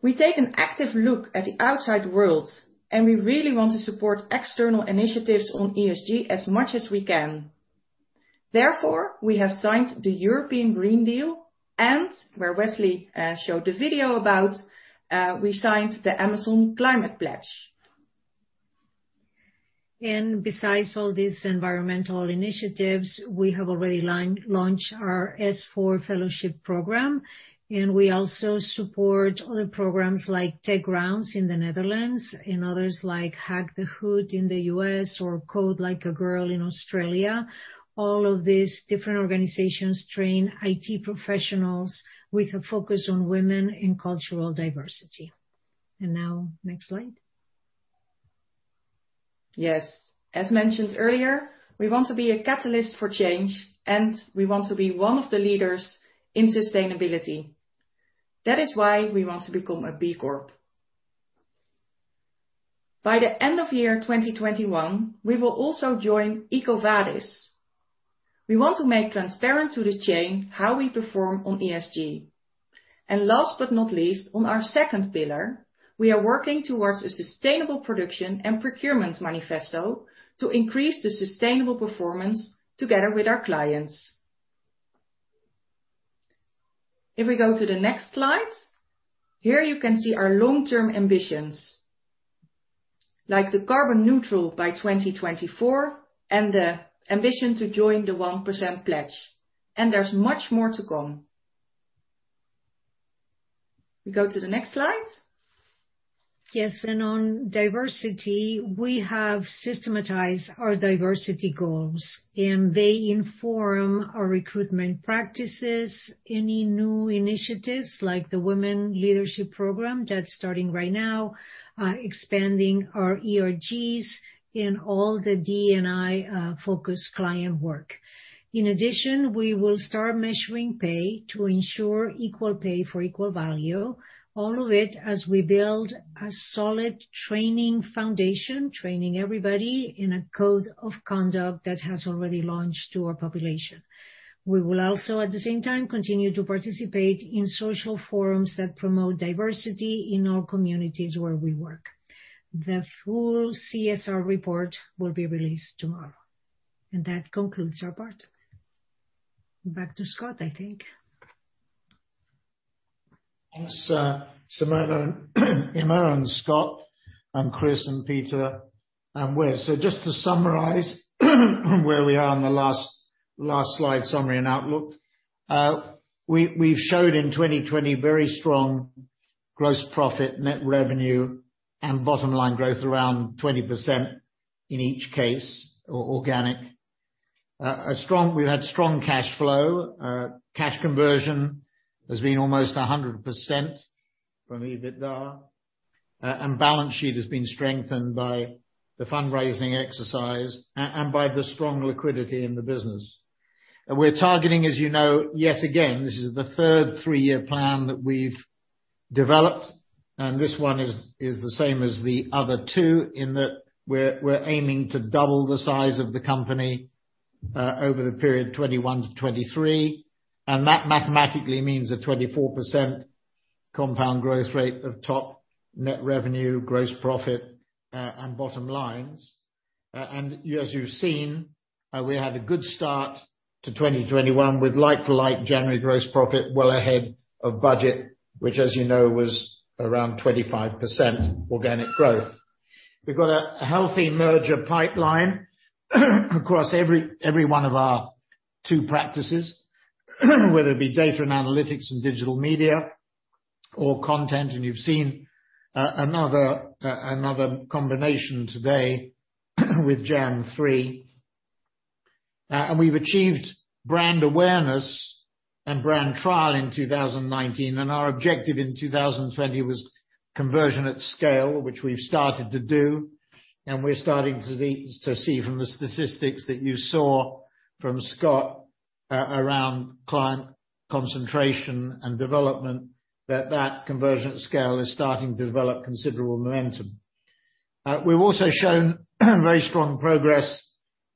We take an active look at the outside world, and we really want to support external initiatives on ESG as much as we can. Therefore, we have signed the European Green Deal, and where Wesley showed the video about, we signed the Amazon Climate Pledge. Besides all these environmental initiatives, we have already launched our S4 Fellowship program, we also support other programs like Techgrounds in the Netherlands and others like Hack the Hood in the U.S. or Code Like a Girl in Australia. All of these different organizations train IT professionals with a focus on women and cultural diversity. Now, next slide. Yes. As mentioned earlier, we want to be a catalyst for change, and we want to be one of the leaders in sustainability. That is why we want to become a B Corp. By the end of year 2021, we will also join EcoVadis. We want to make transparent to the chain how we perform on ESG. Last but not least, on our second pillar, we are working towards a sustainable production and procurement manifesto to increase the sustainable performance together with our clients. If we go to the next slide, here you can see our long-term ambitions, like the carbon neutral by 2024, and the ambition to join the Pledge 1%, and there's much more to come. We go to the next slide. Yes, on diversity, we have systematized our diversity goals, and they inform our recruitment practices. Any new initiatives, like the Women Leadership Program that's starting right now, expanding our ERGs in all the D&I-focused client work. In addition, we will start measuring pay to ensure equal pay for equal value, all of it as we build a solid training foundation, training everybody in a code of conduct that has already launched to our population. We will also, at the same time, continue to participate in social forums that promote diversity in all communities where we work. The full CSR report will be released tomorrow. That concludes our part. Back to Scott, I think. Thanks, Simona, Emma, and Scott, and Chris and Peter and Wes. Just to summarize, where we are in the last slide summary and outlook. We've showed in 2020 very strong gross profit net revenue and bottom-line growth around 20% in each case or organic. We've had strong cash flow. Cash conversion has been almost 100% from EBITDA. Balance sheet has been strengthened by the fundraising exercise and by the strong liquidity in the business. We're targeting, as you know, yet again, this is the third three-year plan that we've developed, and this one is the same as the other two in that we're aiming to double the size of the company over the period 2021 to 2023. That mathematically means a 24% compound growth rate of top net revenue, gross profit, and bottom lines. As you've seen, we had a good start to 2021 with like-to-like January gross profit well ahead of budget, which, as you know, was around 25% organic growth. We've got a healthy merger pipeline across every one of our two practices, whether it be Data and analytics and Digital Media or content. You've seen another combination today with Jam3. We've achieved brand awareness and brand trial in 2019, and our objective in 2020 was conversion at scale, which we've started to do. We're starting to see from the statistics that you saw from Scott around client concentration and development, that that conversion scale is starting to develop considerable momentum. We've also shown very strong progress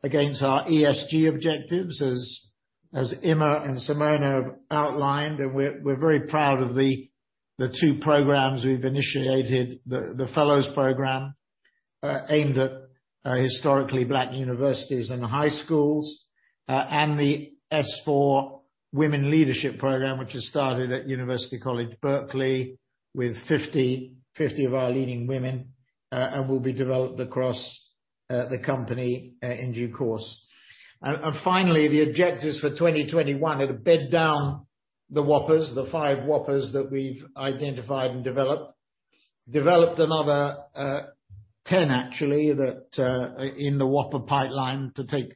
against our ESG objectives, as Emma and Simona outlined, we're very proud of the two programs we've initiated. The Fellows Program, aimed at historically Black universities and high schools, and the S4 Women Leadership Program, which has started at UC Berkeley with 50 of our leading women, and will be developed across the company in due course. Finally, the objectives for 2021 are to bed down the whoppers, the five whoppers that we've identified and developed. Developed another 10, actually, in the whopper pipeline to take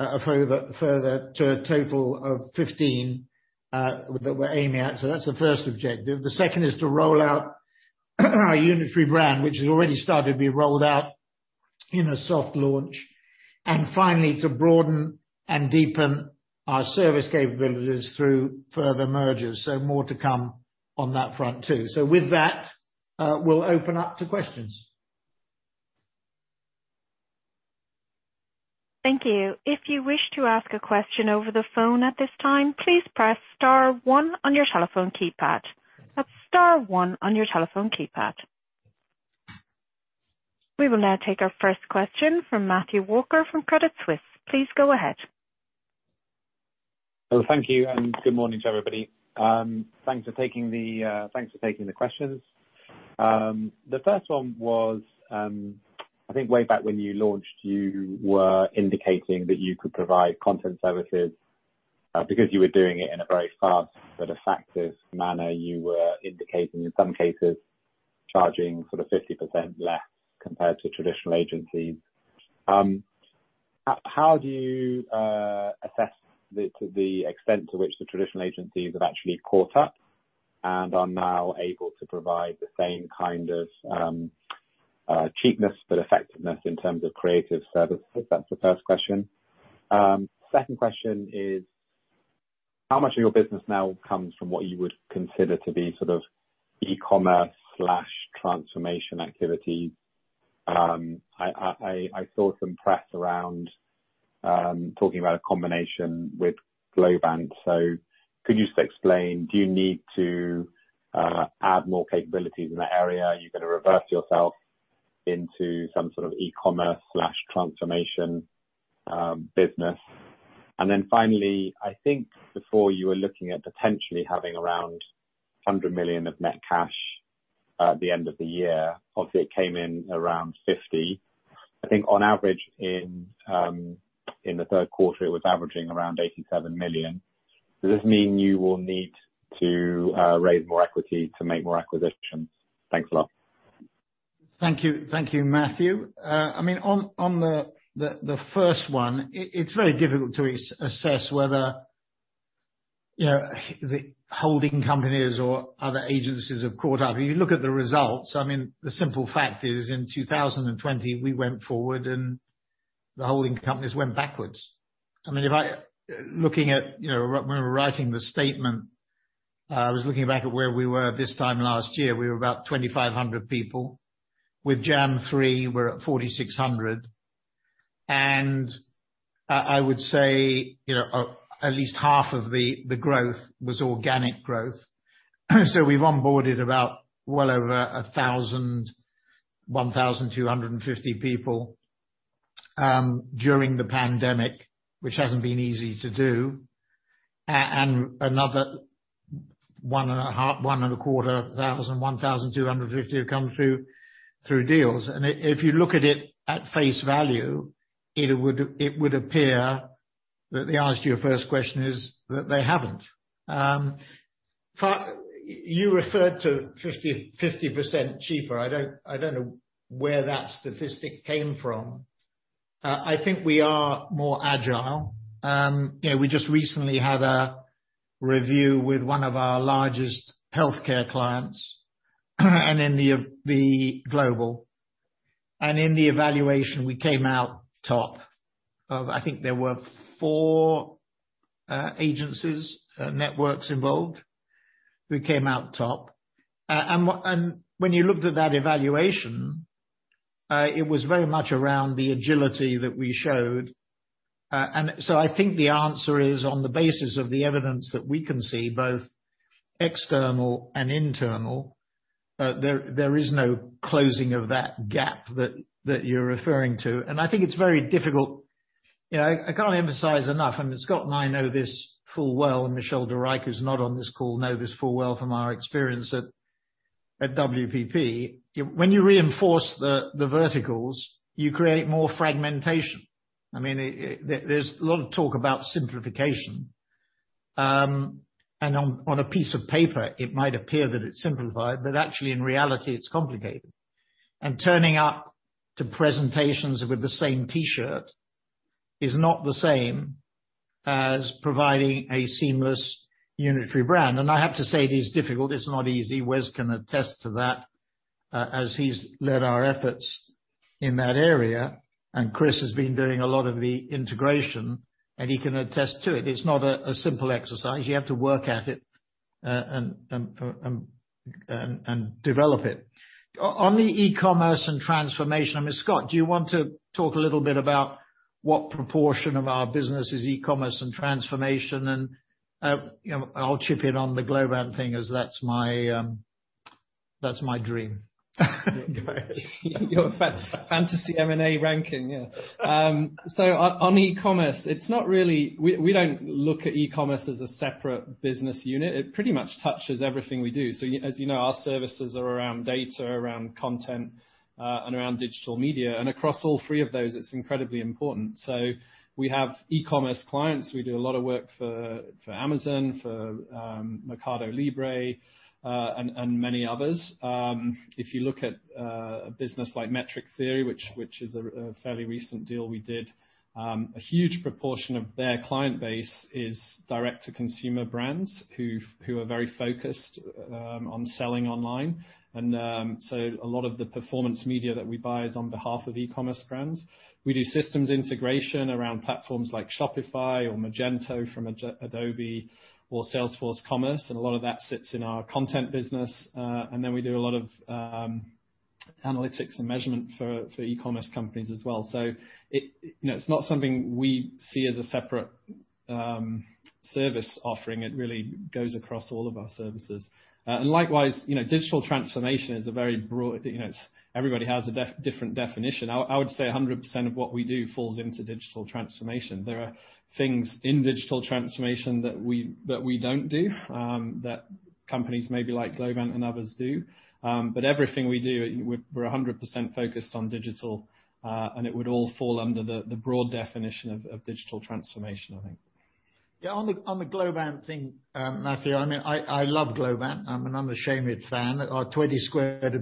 a further total of 15 that we're aiming at. That's the first objective. The second is to roll out our unitary brand, which has already started to be rolled out in a soft launch. Finally, to broaden and deepen our service capabilities through further mergers. More to come on that front, too. With that, we'll open up to questions. Thank you. We will now take our first question from Matthew Walker from Credit Suisse. Please go ahead. Well, thank you, good morning to everybody. Thanks for taking the questions. The first one was, I think way back when you launched, you were indicating that you could provide content services, because you were doing it in a very fast but effective manner, you were indicating, in some cases, charging 50% less compared to traditional agencies. How do you assess the extent to which the traditional agencies have actually caught up and are now able to provide the same kind of cheapness but effectiveness in terms of creative services? That's the first question. Second question is, how much of your business now comes from what you would consider to be sort of e-commerce/transformation activity? I saw some press around talking about a combination with Globant. Could you just explain, do you need to add more capabilities in that area? Are you going to reverse yourself into some sort of e-commerce/transformation business? Finally, I think before you were looking at potentially having around 100 million of net cash at the end of the year, obviously it came in around 50 million. I think on average in the third quarter, it was averaging around 87 million. Does this mean you will need to raise more equity to make more acquisitions? Thanks a lot. Thank you, Matthew. On the first one, it's very difficult to assess whether the holding companies or other agencies have caught up. If you look at the results, the simple fact is in 2020, we went forward and the holding companies went backwards. When we were writing the statement, I was looking back at where we were this time last year. We were about 2,500 people. With Jam3 we're at 4,600. I would say, at least half of the growth was organic growth. We've onboarded about well over 1,000, 1,250 people, during the pandemic, which hasn't been easy to do. Another 1,250 have come through deals. If you look at it at face value, it would appear that the answer to your first question is that they haven't. You referred to 50% cheaper. I don't know where that statistic came from. I think we are more agile. We just recently had a review with one of our largest healthcare clients, and in the global. In the evaluation, we came out top of I think there were four agencies, networks involved. We came out top. When you looked at that evaluation, it was very much around the agility that we showed. I think the answer is, on the basis of the evidence that we can see, both external and internal, there is no closing of that gap that you're referring to. I think it's very difficult, I can't emphasize enough, Scott and I know this full well, Michel de Rijk, who's not on this call, know this full well from our experience at WPP. When you reinforce the verticals, you create more fragmentation. There's a lot of talk about simplification. On a piece of paper, it might appear that it's simplified, but actually, in reality, it's complicated. Turning up to presentations with the same T-shirt is not the same as providing a seamless unitary brand. I have to say, it is difficult. It's not easy. Wes can attest to that, as he's led our efforts in that area, Chris has been doing a lot of the integration, and he can attest to it. It's not a simple exercise. You have to work at it and develop it. On the e-commerce and transformation, Scott, do you want to talk a little bit about what proportion of our business is e-commerce and transformation and I'll chip in on the Globant thing, as that's my dream. Your fantasy M&A ranking, yeah. On e-commerce, we don't look at e-commerce as a separate business unit. It pretty much touches everything we do. As you know, our services are around data, around content, and around digital media. Across all three of those, it's incredibly important. We have e-commerce clients. We do a lot of work for Amazon, for Mercado Libre, and many others. If you look at a business like Metric Theory, which is a fairly recent deal we did, a huge proportion of their client base is direct-to-consumer brands who are very focused on selling online. A lot of the performance media that we buy is on behalf of e-commerce brands. We do systems integration around platforms like Shopify or Magento from Adobe or Salesforce Commerce, and a lot of that sits in our content business. We do a lot of analytics and measurement for e-commerce companies as well. It's not something we see as a separate service offering. It really goes across all of our services. Likewise, digital transformation is a very broad Everybody has a different definition. I would say 100% of what we do falls into digital transformation. There are things in digital transformation that we don't do, that companies maybe like Globant and others do. Everything we do, we're 100% focused on digital, and it would all fall under the broad definition of digital transformation, I think. On the Globant thing, Matthew, I love Globant. I'm an unashamed fan. Our 20 squared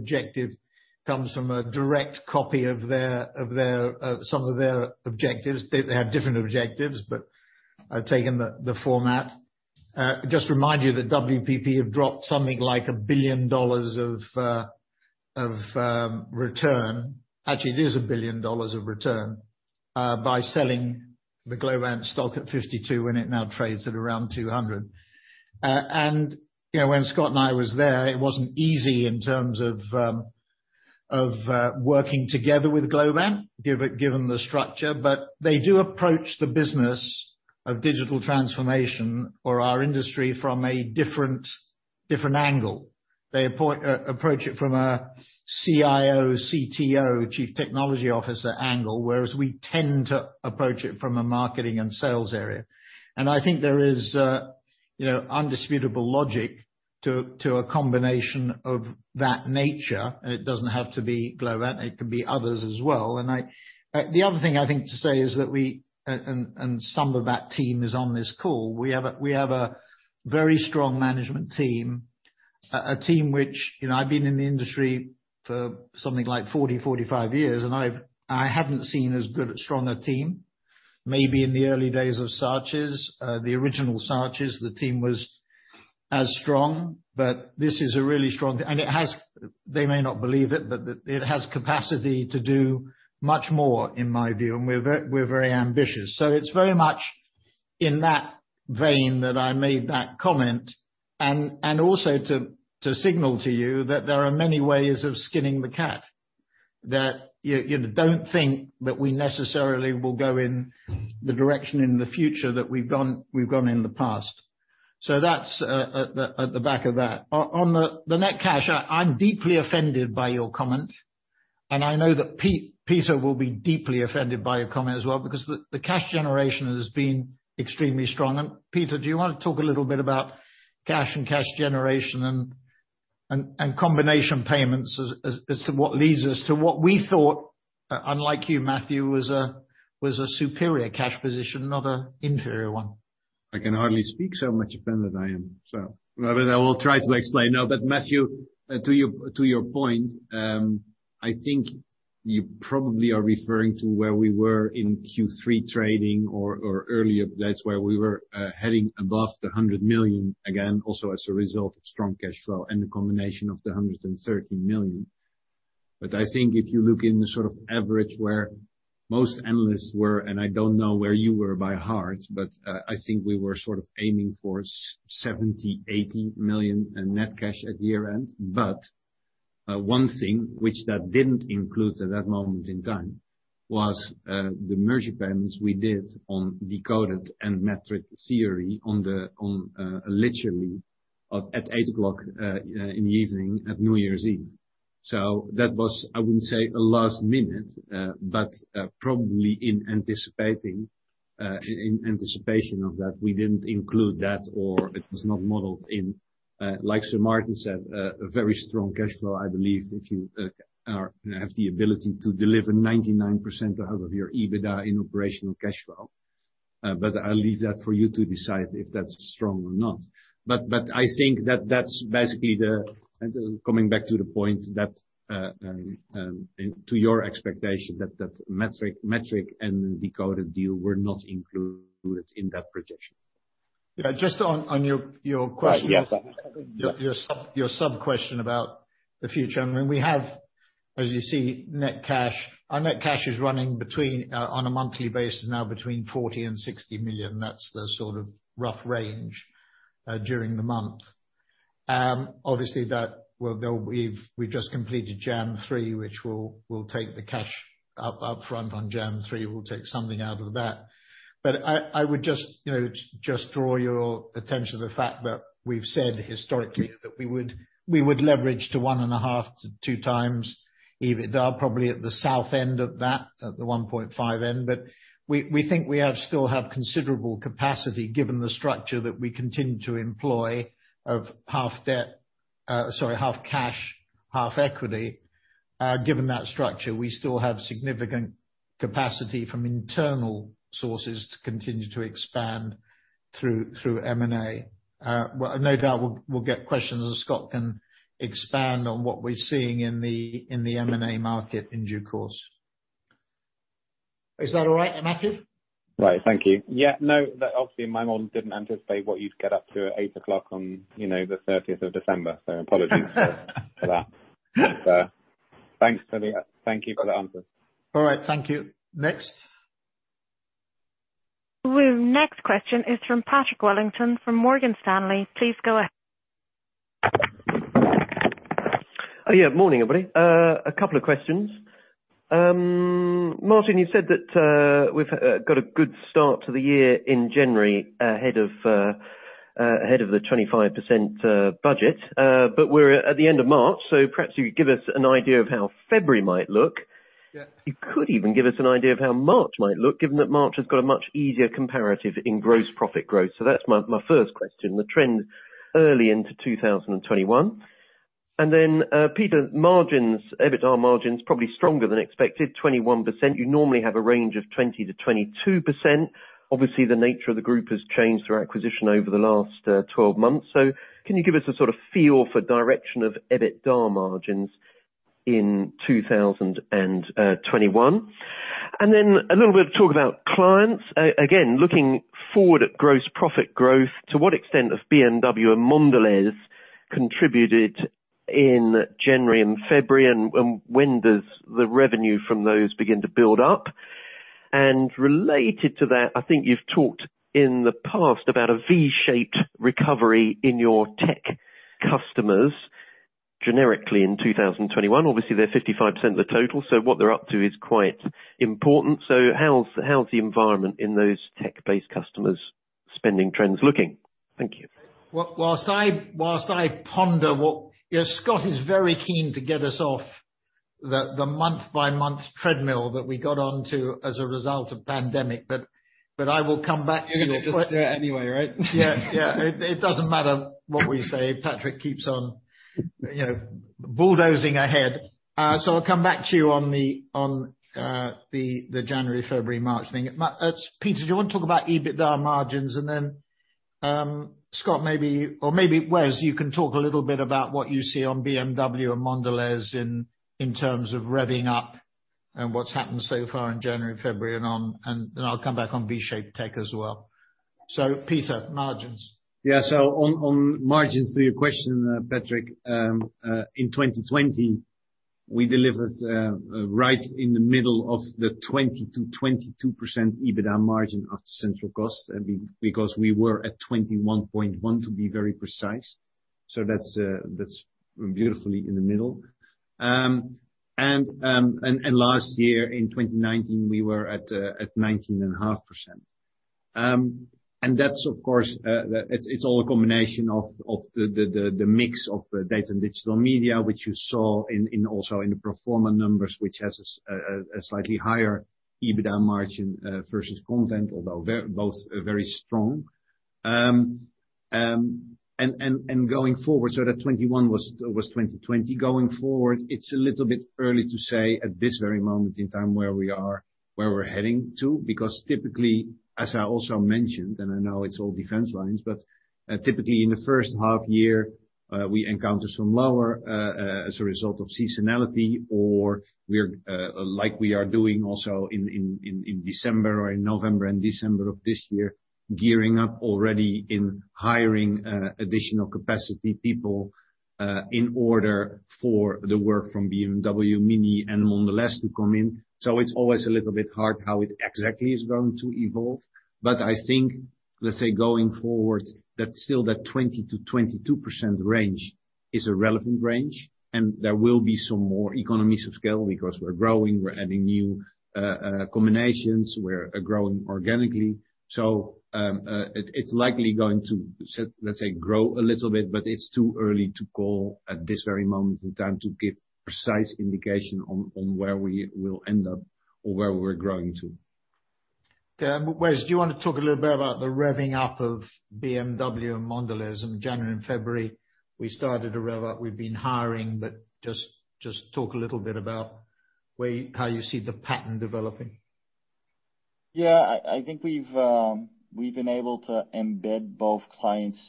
objective comes from a direct copy of some of their objectives. They have different objectives, but I've taken the format. Just remind you that WPP have dropped something like $1 billion of return, actually, it is $1 billion of return, by selling the Globant stock at $52, and it now trades at around $200. When Scott and I were there, it wasn't easy in terms of working together with Globant, given the structure. They do approach the business of digital transformation or our industry from a different angle. They approach it from a CIO, CTO, Chief Technology Officer angle, whereas we tend to approach it from a marketing and sales area. I think there is indisputable logic to a combination of that nature, it doesn't have to be Globant, it can be others as well. The other thing I think to say is that we, and some of that team is on this call, we have a very strong management team. A team which, I've been in the industry for something like 40, 45 years, and I haven't seen as good a stronger team. Maybe in the early days of Saatchi, the original Saatchi, the team was as strong, but this is a really strong. They may not believe it, but it has capacity to do much more, in my view. We're very ambitious. It's very much in that vein that I made that comment, and also to signal to you that there are many ways of skinning the cat, that you don't think that we necessarily will go in the direction in the future that we've gone in the past. That's at the back of that. On the net cash, I'm deeply offended by your comment, and I know that Peter will be deeply offended by your comment as well, because the cash generation has been extremely strong. Peter, do you want to talk a little bit about cash and cash generation, and combination payments as what leads us to what we thought, unlike you, Matthew, was a superior cash position, not an inferior one? I can hardly speak so much offended I am. I will try to explain. No, Matthew, to your point, I think you probably are referring to where we were in Q3 trading or earlier. That's where we were heading above the 100 million again, also as a result of strong cash flow and the combination of the 130 million. I think if you look in the sort of average where most analysts were, and I don't know where you were by heart, I think we were sort of aiming for 70 million, 80 million in net cash at year-end. One thing which that didn't include at that moment in time was the merger payments we did on Decoded and Metric Theory on literally at 8:00 P.M. at New Year's Eve. That was, I wouldn't say a last minute, but probably in anticipation of that, we didn't include that or it was not modeled in. Like Sir Martin said, a very strong cashflow. I believe if you have the ability to deliver 99% out of your EBITDA in operational cash flow, but I'll leave that for you to decide if that's strong or not. I think that's basically coming back to the point that to your expectation that Metric and Decoded deal were not included in that projection. Yeah. Yes your sub-question about the future. We have, as you see, net cash. Our net cash is running, on a monthly basis now, between 40 million and 60 million. That's the sort of rough range during the month. Obviously, we've just completed Jam3, which we'll take the cash up front on Jam3. We'll take something out of that. I would just draw your attention to the fact that we've said historically that we would leverage to 1.5 to 2x EBITDA, probably at the south end of that, at the 1.5 end. We think we still have considerable capacity given the structure that we continue to employ of half debt, sorry, half cash, half equity. Given that structure, we still have significant capacity from internal sources to continue to expand through M&A. No doubt we'll get questions as Scott can expand on what we're seeing in the M&A market in due course. Is that all right, Matthew? Right. Thank you. Yeah, no, obviously my model didn't anticipate what you'd get up to at 8:00 on the 30th of December, so apologies for that. Thanks. Thank you for that answer. All right. Thank you. Next. The next question is from Patrick Wellington from Morgan Stanley. Please go ahead. Yeah. Morning, everybody. A couple of questions. Martin, you said that we've got a good start to the year in January ahead of the 25% budget. We're at the end of March, so perhaps you could give us an idea of how February might look. Yeah. You could even give us an idea of how March might look, given that March has got a much easier comparative in gross profit growth. That's my first question, the trend early into 2021. Then, Peter, margins, EBITDA margins, probably stronger than expected, 21%. You normally have a range of 20%-22%. Obviously, the nature of the group has changed through acquisition over the last 12 months. Can you give us a sort of feel for direction of EBITDA margins in 2021? Then a little bit of talk about clients. Again, looking forward at gross profit growth, to what extent have BMW and Mondelēz contributed in January and February, and when does the revenue from those begin to build up? Related to that, I think you've talked in the past about a V-shaped recovery in your tech customers generically in 2021. Obviously, they're 55% of the total, so what they're up to is quite important. How's the environment in those tech-based customers spending trends looking? Thank you. Whilst I ponder what Scott is very keen to get us off the month-by-month treadmill that we got onto as a result of pandemic. I will come back to you. You're going to just do it anyway, right? Yeah. It doesn't matter what we say. Patrick keeps on bulldozing ahead. I'll come back to you on the January, February, March thing. Peter, do you want to talk about EBITDA margins? Then, Scott, maybe, or maybe Wes, you can talk a little bit about what you see on BMW and Mondelēz in terms of revving up and what's happened so far in January, February, and on. Then I'll come back on V-shaped tech as well. Peter, margins. On margins, to your question, Patrick, in 2020, we delivered right in the middle of the 20%-22% EBITDA margin after central costs, because we were at 21.1%, to be very precise. That's beautifully in the middle. Last year, in 2019, we were at 19.5%. That's of course, it's all a combination of the mix of Data & Digital Media, which you saw also in the pro forma numbers, which has a slightly higher EBITDA margin versus content, although both are very strong. Going forward, that 21 was 2020. Going forward, it's a little bit early to say at this very moment in time where we are, where we're heading to, because typically, as I also mentioned, and I know it's all defense lines, but typically in the first half year, we encounter some lower, as a result of seasonality, or like we are doing also in December or in November and December of this year, gearing up already in hiring additional capacity people, in order for the work from BMW, Mini, and Mondelez to come in. It's always a little bit hard how it exactly is going to evolve. I think, let's say going forward, that still that 20%-22% range is a relevant range, and there will be some more economies of scale because we're growing, we're adding new combinations, we're growing organically. It's likely going to, let's say, grow a little bit, but it's too early to call at this very moment in time to give precise indication on where we will end up or where we're growing to. Wes, do you want to talk a little bit about the revving up of BMW and Mondelēz in January and February? We started to rev up. Just talk a little bit about how you see the pattern developing. Yeah, I think we've been able to embed both clients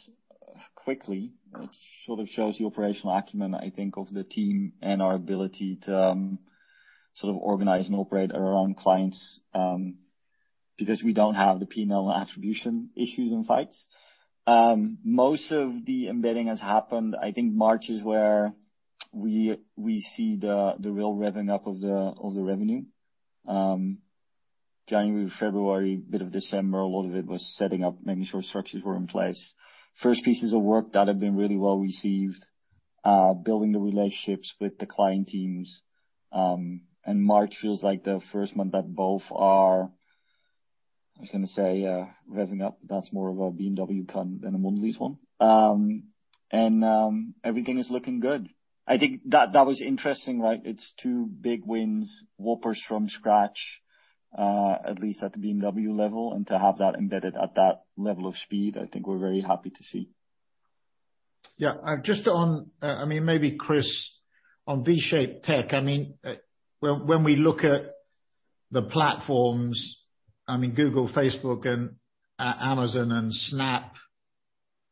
quickly, which sort of shows the operational acumen, I think, of the team and our ability to sort of organize and operate around clients, because we don't have the P&L attribution issues and fights. Most of the embedding has happened, I think March is where we see the real revving up of the revenue. January, February, bit of December, a lot of it was setting up, making sure structures were in place. First pieces of work that have been really well-received, building the relationships with the client teams. March feels like the first month that both are, I was going to say, revving up. That's more of a BMW than a Mondelēz one. Everything is looking good. I think that was interesting, right? It's two big wins, whoppers from scratch, at least at the BMW level. To have that embedded at that level of speed, I think we're very happy to see. Yeah. Just on, maybe Chris, on V-shaped tech, when we look at the platforms, Google, Facebook, and Amazon, and Snap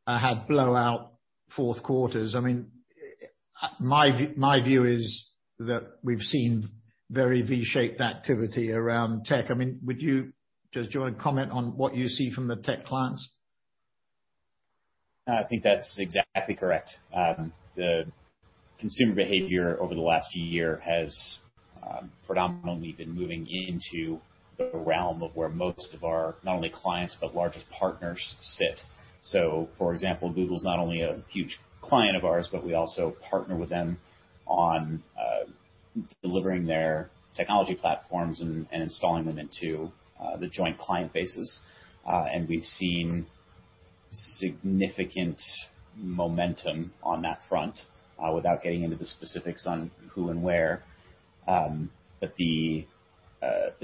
had blowout fourth quarters. My view is that we've seen very V-shaped activity around tech. Would you just comment on what you see from the tech clients? I think that's exactly correct. The consumer behavior over the last year has predominantly been moving into the realm of where most of our, not only clients, but largest partners sit. For example, Google's not only a huge client of ours, but we also partner with them on delivering their technology platforms and installing them into the joint client bases. We've seen significant momentum on that front. Without getting into the specifics on who and where, but the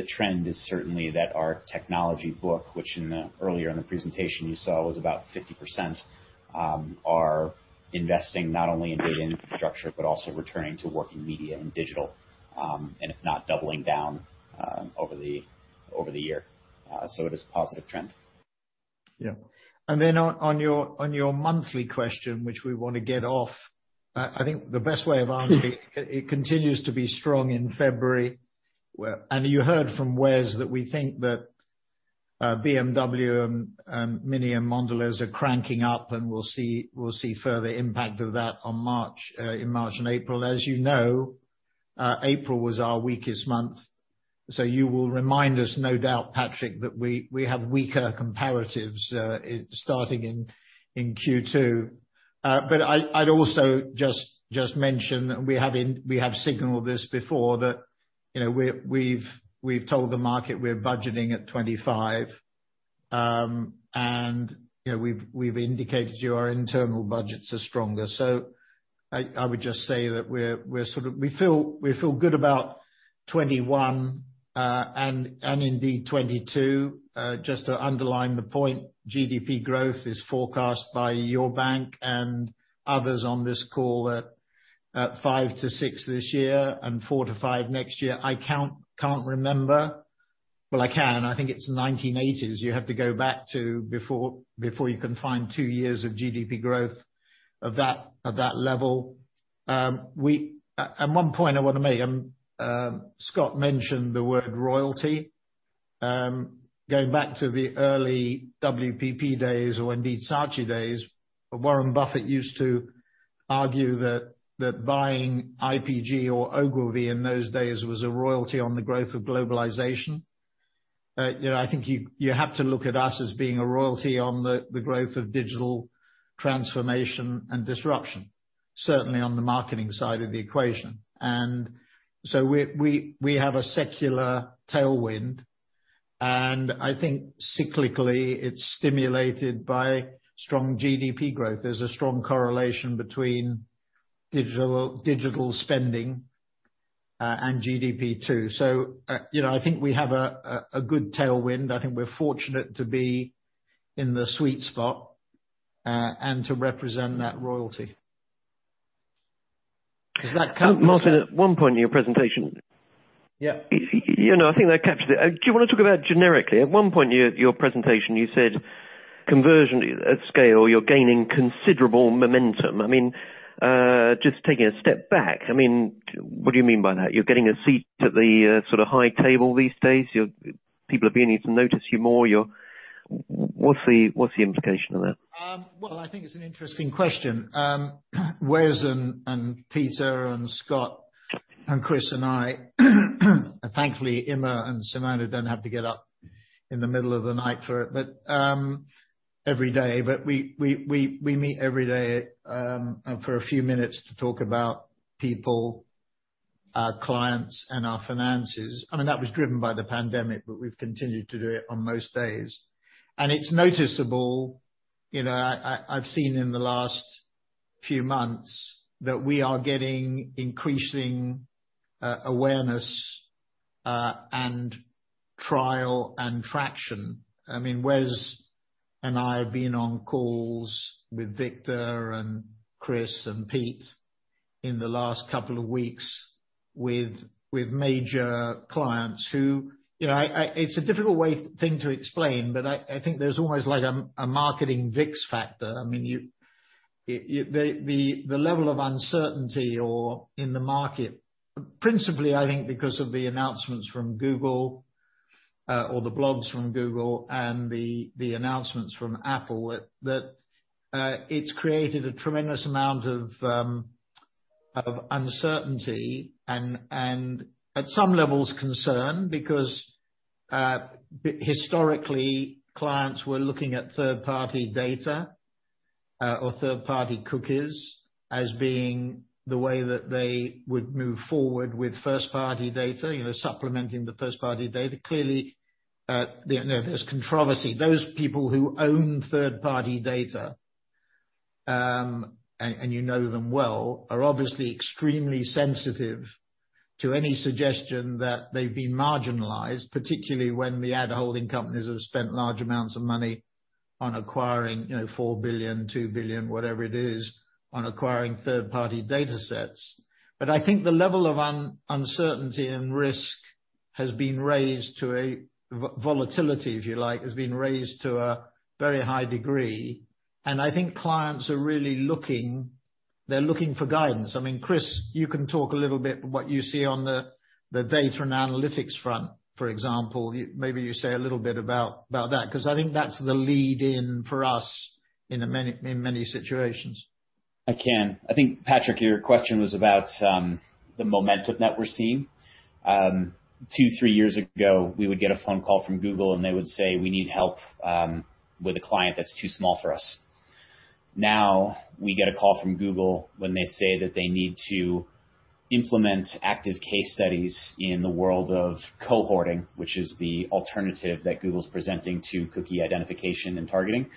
trend is certainly that our technology book, which earlier in the presentation you saw was about 50%, are investing not only in data infrastructure, but also returning to working media and digital, and if not, doubling down over the year. It is a positive trend. Yeah. Then on your monthly question, which we want to get off, I think the best way of answering it continues to be strong in February. You heard from Wes that we think that BMW, Mini, and Mondelēz are cranking up, and we'll see further impact of that in March and April. As you know, April was our weakest month, you will remind us, no doubt, Patrick, that we have weaker comparatives starting in Q2. I'd also just mention, we have signaled this before, that we've told the market we're budgeting at 25, and we've indicated to you our internal budgets are stronger. I would just say that we feel good about 2021, and indeed 2022. Just to underline the point, GDP growth is forecast by your bank and others on this call at 5%-6% this year, and 4%-5% next year. I can't remember. Well, I can, I think it's 1980s, you have to go back to before you can find two years of GDP growth at that level. One point I want to make, Scott mentioned the word royalty. Going back to the early WPP days or indeed Saatchi days, Warren Buffett used to argue that buying IPG or Ogilvy in those days was a royalty on the growth of globalization. I think you have to look at us as being a royalty on the growth of digital transformation and disruption, certainly on the marketing side of the equation. We have a secular tailwind, and I think cyclically, it's stimulated by strong GDP growth. There's a strong correlation between digital spending and GDP, too. I think we have a good tailwind. I think we're fortunate to be in the sweet spot, and to represent that royalty. Does that capture? Martin, at one point in your presentation. Yeah I think that captures it. Do you want to talk about generically, at one point in your presentation you said conversion at scale, you're gaining considerable momentum. Just taking a step back, what do you mean by that? You're getting a seat at the high table these days? People are beginning to notice you more. What's the implication of that? Well, I think it's an interesting question. Wes and Peter and Scott and Chris and I, thankfully Emma and Simona don't have to get up in the middle of the night for it every day, but we meet every day for a few minutes to talk about people, our clients, and our finances. That was driven by the pandemic, but we've continued to do it on most days. It's noticeable, I've seen in the last few months that we are getting increasing awareness, and trial, and traction. Wes and I have been on calls with Victor and Chris and Pete in the last couple of weeks with major clients. It's a difficult thing to explain, but I think there's always a marketing VIX factor. The level of uncertainty or in the market, principally I think because of the announcements from Google, or the blogs from Google and the announcements from Apple, that it's created a tremendous amount of uncertainty, and at some levels concern because, historically, clients were looking at third-party data or third-party cookies as being the way that they would move forward with first-party data, supplementing the first-party data. Clearly, there's controversy. Those people who own third-party data, and you know them well, are obviously extremely sensitive to any suggestion that they've been marginalized, particularly when the ad holding companies have spent large amounts of money on acquiring, 4 billion, 2 billion, whatever it is, on acquiring third-party data sets. I think the level of uncertainty and risk has been raised to a volatility, if you like, has been raised to a very high degree, and I think clients are really looking for guidance. Chris, you can talk a little bit what you see on the data and analytics front, for example. Maybe you say a little bit about that, because I think that's the lead in for us in many situations. I can. I think, Patrick, your question was about the momentum that we're seeing. Two, three years ago, we would get a phone call from Google and they would say, "We need help with a client that's too small for us." Now we get a call from Google when they say that they need to implement active case studies in the world of cohorting, which is the alternative that Google's presenting to cookie identification and targeting,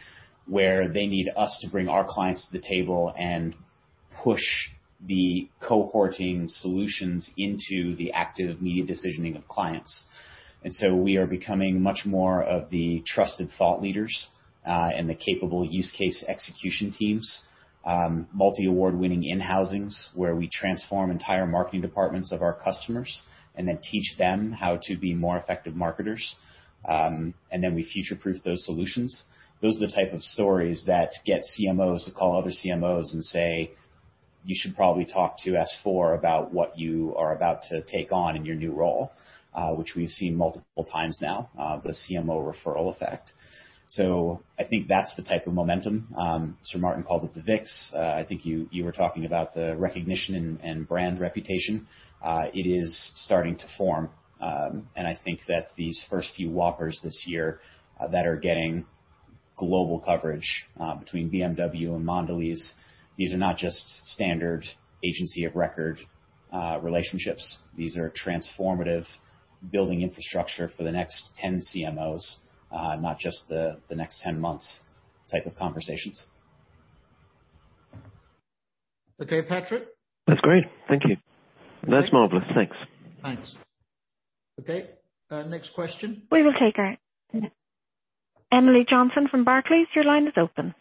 where they need us to bring our clients to the table. Push the cohorting solutions into the active media decisioning of clients. We are becoming much more of the trusted thought leaders, and the capable use case execution teams, multi-award-winning in-housings, where we transform entire marketing departments of our customers and then teach them how to be more effective marketers. We future-proof those solutions. Those are the type of stories that get CMOs to call other CMOs and say, "You should probably talk to S4 about what you are about to take on in your new role," which we've seen multiple times now, the CMO referral effect. I think that's the type of momentum. Sir Martin called it the VIX. I think you were talking about the recognition and brand reputation. It is starting to form, and I think that these first few whoppers this year that are getting global coverage, between BMW and Mondelēz, these are not just standard agency of record relationships. These are transformative building infrastructure for the next 10 CMOs, not just the next 10 months type of conversations. Okay, Patrick. That's great. Thank you. Okay. That's marvelous. Thanks. Thanks. Okay, next question. We will take Emily Johnson from Barclays. Your line is open.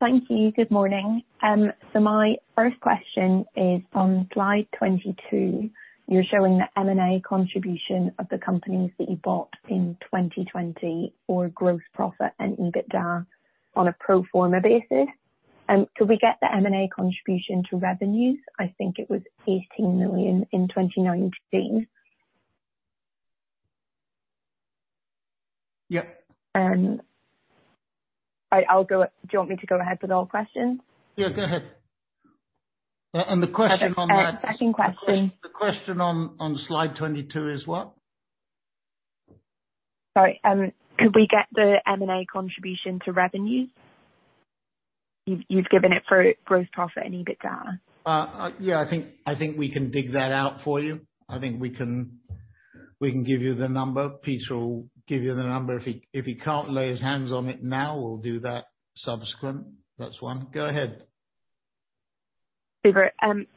Thank you. Good morning. My first question is on slide 22. You are showing the M&A contribution of the companies that you bought in 2020 for gross profit and EBITDA on a pro forma basis. Could we get the M&A contribution to revenues? I think it was 18 million in 2019. Yep. Do you want me to go ahead with all questions? Yeah, go ahead. The question on that. Second question. the question on slide 22 is what? Sorry. Could we get the M&A contribution to revenues? You've given it for gross profit and EBITDA. Yeah, I think we can dig that out for you. I think we can give you the number. Peter will give you the number. If he can't lay his hands on it now, we'll do that subsequent. That's one. Go ahead. Super.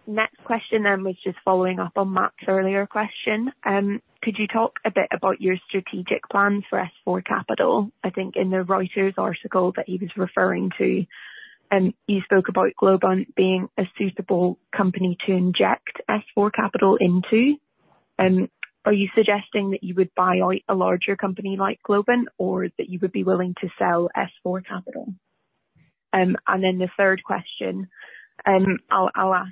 Next question, which is following up on Matt's earlier question. Could you talk a bit about your strategic plans for S4Capital? I think in the Reuters article that he was referring to, you spoke about Globant being a suitable company to inject S4Capital into. Are you suggesting that you would buy a larger company like Globant, or that you would be willing to sell S4Capital? The third question, I'll ask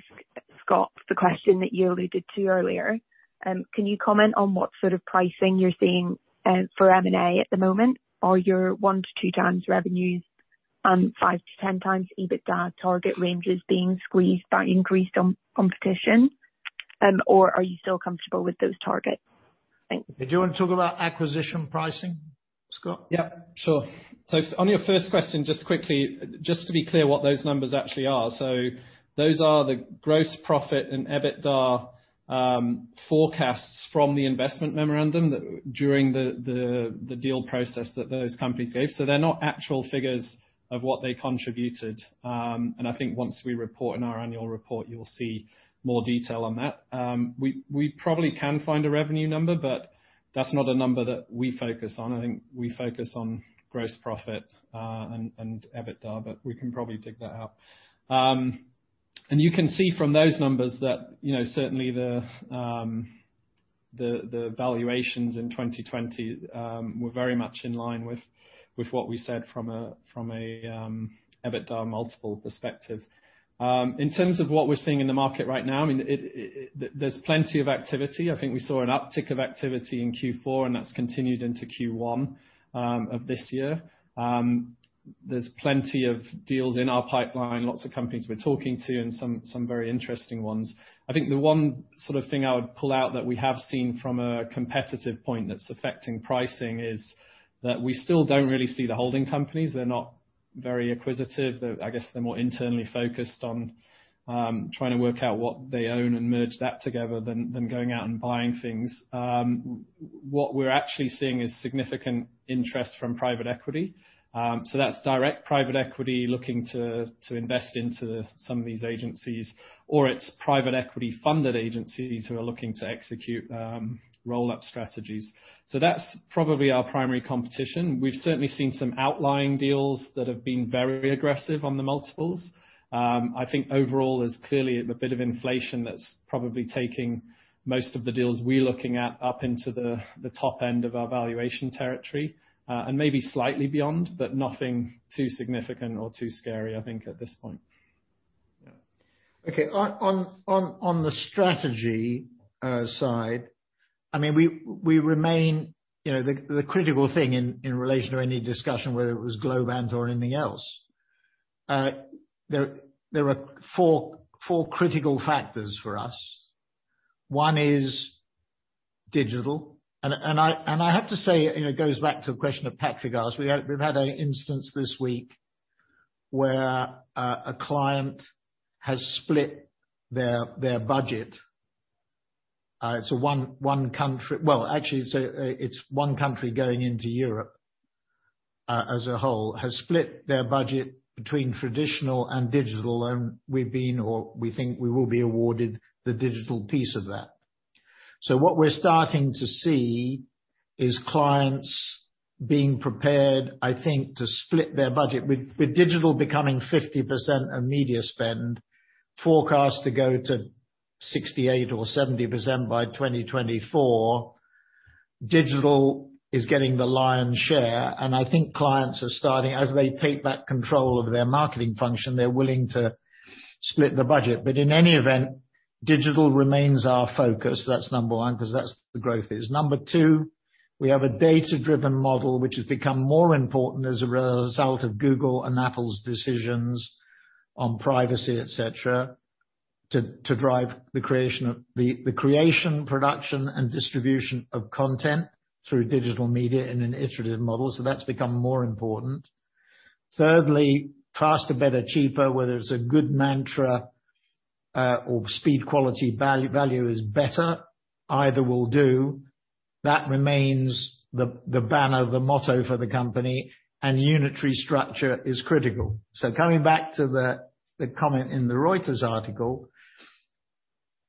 Scott the question that you alluded to earlier. Can you comment on what sort of pricing you're seeing for M&A at the moment? Are your one to two times revenues, five to 10x EBITDA target ranges being squeezed by increased competition, or are you still comfortable with those targets? Thanks. Do you want to talk about acquisition pricing, Scott? Yep, sure. On your first question, just quickly, just to be clear what those numbers actually are. Those are the gross profit and EBITDA forecasts from the investment memorandum that during the deal process that those companies gave. They're not actual figures of what they contributed. I think once we report in our annual report, you'll see more detail on that. We probably can find a revenue number, but that's not a number that we focus on. I think we focus on gross profit, and EBITDA, but we can probably dig that out. You can see from those numbers that certainly the valuations in 2020 were very much in line with what we said from a EBITDA multiple perspective. In terms of what we're seeing in the market right now, there's plenty of activity. I think we saw an uptick of activity in Q4, and that's continued into Q1 of this year. There's plenty of deals in our pipeline, lots of companies we're talking to, and some very interesting ones. I think the one sort of thing I would pull out that we have seen from a competitive point that's affecting pricing is that we still don't really see the holding companies. They're not very acquisitive. I guess they're more internally focused on trying to work out what they own and merge that together than going out and buying things. What we're actually seeing is significant interest from private equity. That's direct private equity looking to invest into some of these agencies, or it's private equity-funded agencies who are looking to execute roll-up strategies. That's probably our primary competition. We've certainly seen some outlying deals that have been very aggressive on the multiples. I think overall, there's clearly a bit of inflation that's probably taking most of the deals we're looking at up into the top end of our valuation territory, and maybe slightly beyond, but nothing too significant or too scary, I think, at this point. Yeah. Okay. On the strategy side, the critical thing in relation to any discussion, whether it was Globant or anything else, there are four critical factors for us. One is digital. I have to say, it goes back to a question that Patrick asked. We've had an instance this week where a client has split their budget. It's one country going into Europe as a whole, has split their budget between traditional and digital, and we've been, or we think we will be awarded the digital piece of that. What we're starting to see is clients being prepared, I think, to split their budget. With digital becoming 50% of media spend, forecast to go to 68% or 70% by 2024, digital is getting the lion's share, and I think clients are starting, as they take back control of their marketing function, they're willing to split the budget. In any event, digital remains our focus, that's number one, because that's where the growth is. Number two, we have a data-driven model, which has become more important as a result of Google and Apple's decisions on privacy, et cetera, to drive the creation, production, and distribution of content through digital media in an iterative model. That's become more important. Thirdly, faster, better, cheaper, whether it's a good mantra or speed, quality, value is better, either will do. That remains the banner, the motto for the company, and unitary structure is critical. Coming back to the comment in the Reuters article,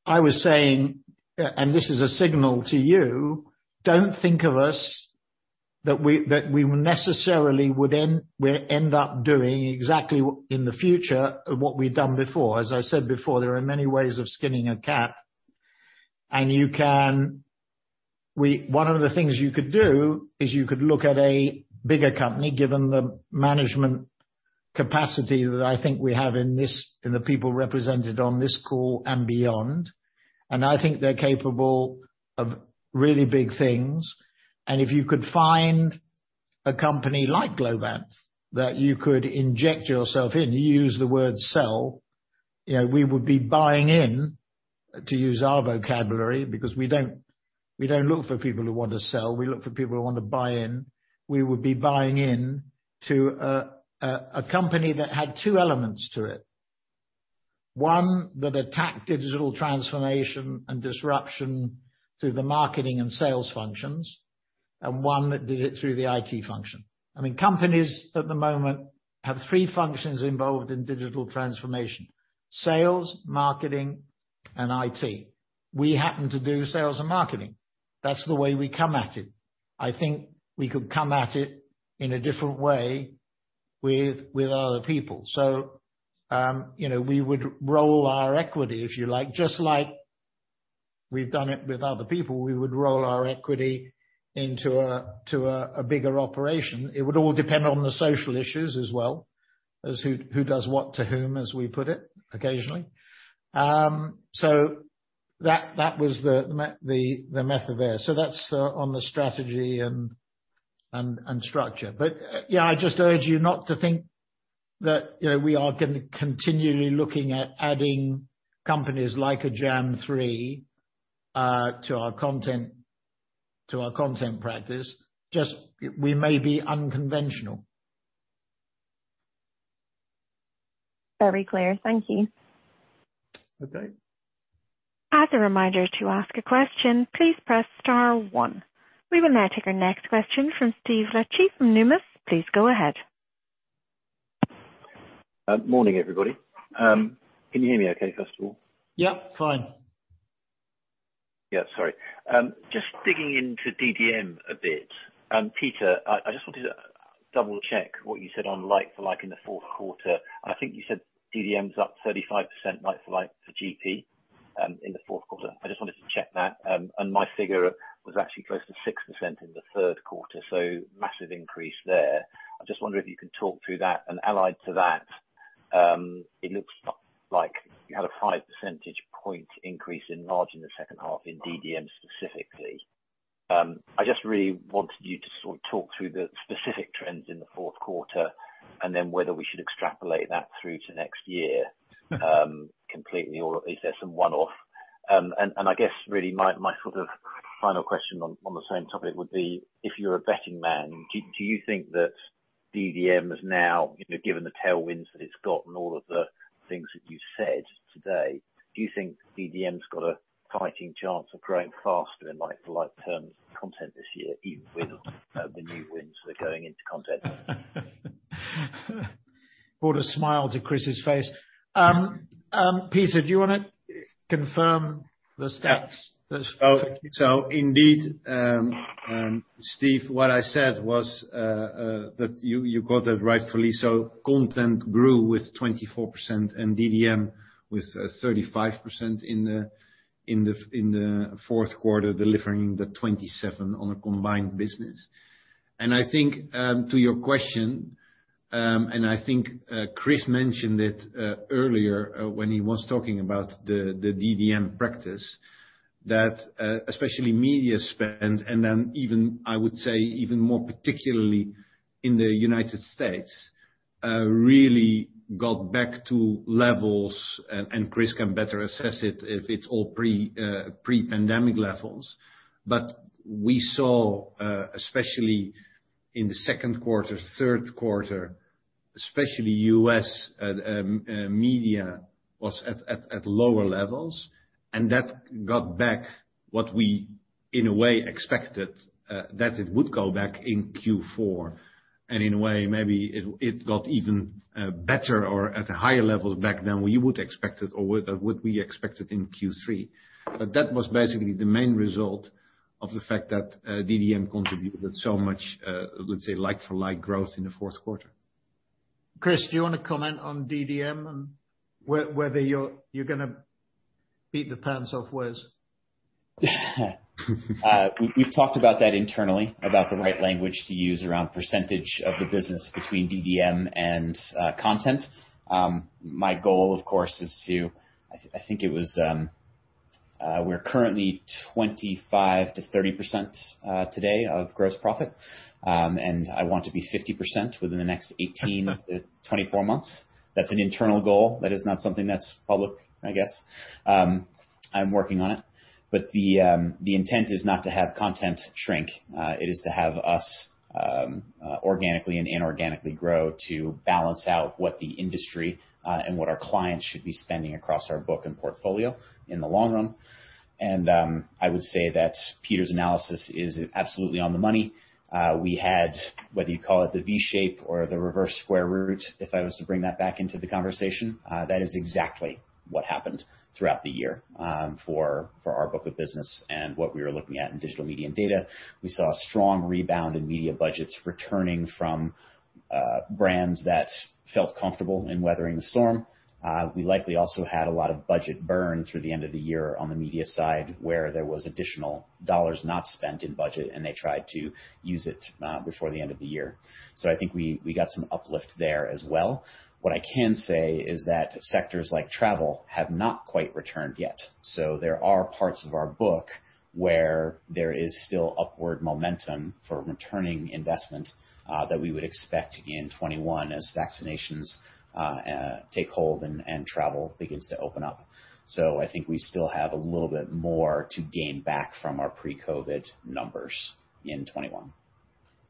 I was saying, and this is a signal to you, don't think of us, that we necessarily would end up doing exactly in the future what we've done before. As I said before, there are many ways of skinning a cat, and one of the things you could do is you could look at a bigger company, given the management capacity that I think we have in the people represented on this call and beyond. I think they're capable of really big things. If you could find a company like Globant that you could inject yourself in, you use the word sell, we would be buying in, to use our vocabulary, because we don't look for people who want to sell, we look for people who want to buy in. We would be buying in to a company that had two elements to it. One that attacked digital transformation and disruption through the marketing and sales functions, and one that did it through the IT function. Companies at the moment have three functions involved in digital transformation, sales, marketing, and IT. We happen to do sales and marketing. That's the way we come at it. I think we could come at it in a different way with other people. We would roll our equity, if you like, just like we've done it with other people. We would roll our equity into a bigger operation. It would all depend on the social issues as well as who does what to whom, as we put it occasionally. That was the method there. That's on the strategy and structure. Yeah, I just urge you not to think that we are continually looking at adding companies like a Jam3 to our content practice. Just, we may be unconventional. Very clear. Thank you. Okay. As a reminder, to ask a question, please press star one. We will now take our next question from Steve Liechti from Numis. Please go ahead. Morning, everybody. Can you hear me okay, first of all? Yeah, fine. Yeah, sorry. Just digging into DDM a bit. Peter, I just wanted to double-check what you said on like for like in the fourth quarter. I think you said DDM's up 35% like for like for GP, in the fourth quarter. I just wanted to check that. My figure was actually close to 6% in the third quarter, so massive increase there. I just wonder if you can talk through that, and allied to that, it looks like you had a five percentage point increase in margin in the second half in DDM specifically. I just really wanted you to sort of talk through the specific trends in the fourth quarter, and then whether we should extrapolate that through to next year completely, or if there's some one-off. I guess really my sort of final question on the same topic would be, if you're a betting man, do you think that DDM is now, given the tailwinds that it's got and all of the things that you've said today, do you think DDM's got a fighting chance of growing faster in like for like terms content this year, even with the new wins that are going into content? Brought a smile to Chris's face. Peter, do you want to confirm the stats? Indeed, Steve, what I said was, that you got it rightfully so. Content grew with 24% and DDM with 35% in the fourth quarter, delivering the 27 on a combined business. I think, to your question, and I think Chris mentioned it earlier when he was talking about the DDM practice, that especially media spend, and then even I would say even more particularly in the U.S., really got back to levels, and Chris can better assess it if it's all pre-pandemic levels. We saw, especially in the second quarter, third quarter. Especially U.S. media was at lower levels, and that got back what we, in a way, expected that it would go back in Q4. In a way, maybe it got even better or at a higher level back than we would expect it or what we expected in Q3. That was basically the main result of the fact that DDM contributed so much, let's say, like-for-like growth in the fourth quarter. Chris, do you want to comment on DDM and whether you're going to beat the pants off Wes? We've talked about that internally, about the right language to use around % of the business between DDM and content. My goal, of course, is to we're currently 25%-30% today of gross profit, and I want to be 50% within the next 18 to 24 months. That's an internal goal. That is not something that's public, I guess. I'm working on it. The intent is not to have content shrink. It is to have us organically and inorganically grow to balance out what the industry and what our clients should be spending across our book and portfolio in the long run. I would say that Peter's analysis is absolutely on the money. We had, whether you call it the V shape or the reverse square root, if I was to bring that back into the conversation, that is exactly what happened throughout the year for our book of business and what we were looking at in digital media and data. We saw a strong rebound in media budgets returning from brands that felt comfortable in weathering the storm. We likely also had a lot of budget burn through the end of the year on the media side, where there was additional dollars not spent in budget, and they tried to use it before the end of the year. I think we got some uplift there as well. What I can say is that sectors like travel have not quite returned yet. There are parts of our book where there is still upward momentum for returning investment that we would expect in 2021 as vaccinations take hold and travel begins to open up. I think we still have a little bit more to gain back from our pre-COVID numbers in 2021.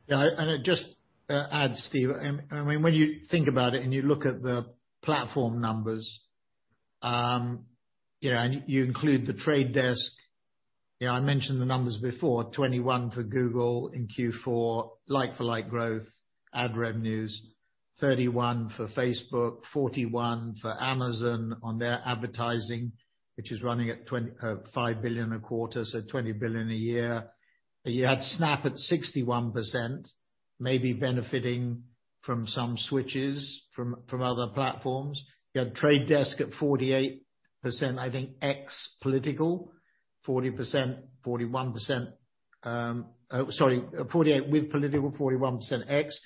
Yeah. Just to add, Steve, when you think about it and you look at the platform numbers, and you include The Trade Desk. I mentioned the numbers before, 21% for Google in Q4, like-for-like growth, ad revenues, 31% for Facebook, 41% for Amazon on their advertising, which is running at 5 billion a quarter, so 20 billion a year. You had Snap at 61%, maybe benefiting from some switches from other platforms. You had The Trade Desk at 48%, I think, ex political, 40%, 41%, sorry, 48% with political, 41% ex.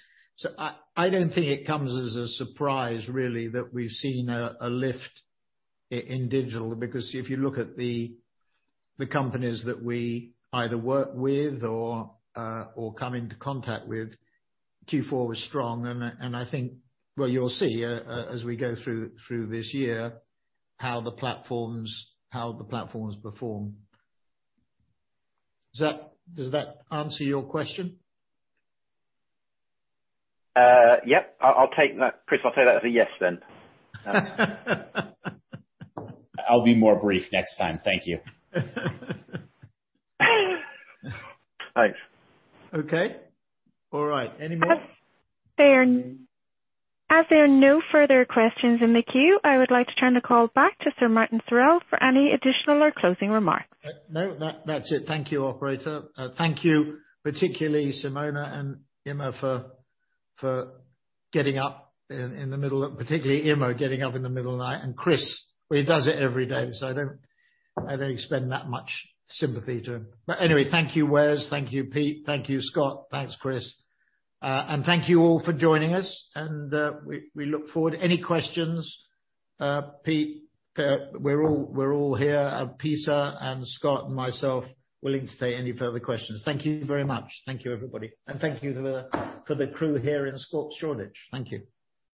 I don't think it comes as a surprise, really, that we've seen a lift in digital, because if you look at the companies that we either work with or come into contact with, Q4 was strong. I think, well, you'll see as we go through this year, how the platforms perform. Does that answer your question? Yep. I'll take that. Chris, I'll take that as a yes, then. I'll be more brief next time. Thank you. Thanks. Okay. All right. Any more? As there are no further questions in the queue, I would like to turn the call back to Sir Martin Sorrell for any additional or closing remarks. No, that's it. Thank you, operator. Thank you particularly Simona and Imo for getting up in the middle of the night. Chris, well, he does it every day, so I don't expend that much sympathy to him. Anyway, thank you, Wes. Thank you, Pete. Thank you, Scott. Thanks, Chris. Thank you all for joining us, and we look forward. Any questions, Pete, we're all here, Pisa and Scott and myself, willing to take any further questions. Thank you very much. Thank you, everybody. Thank you for the crew here in Scape Shoreditch. Thank you.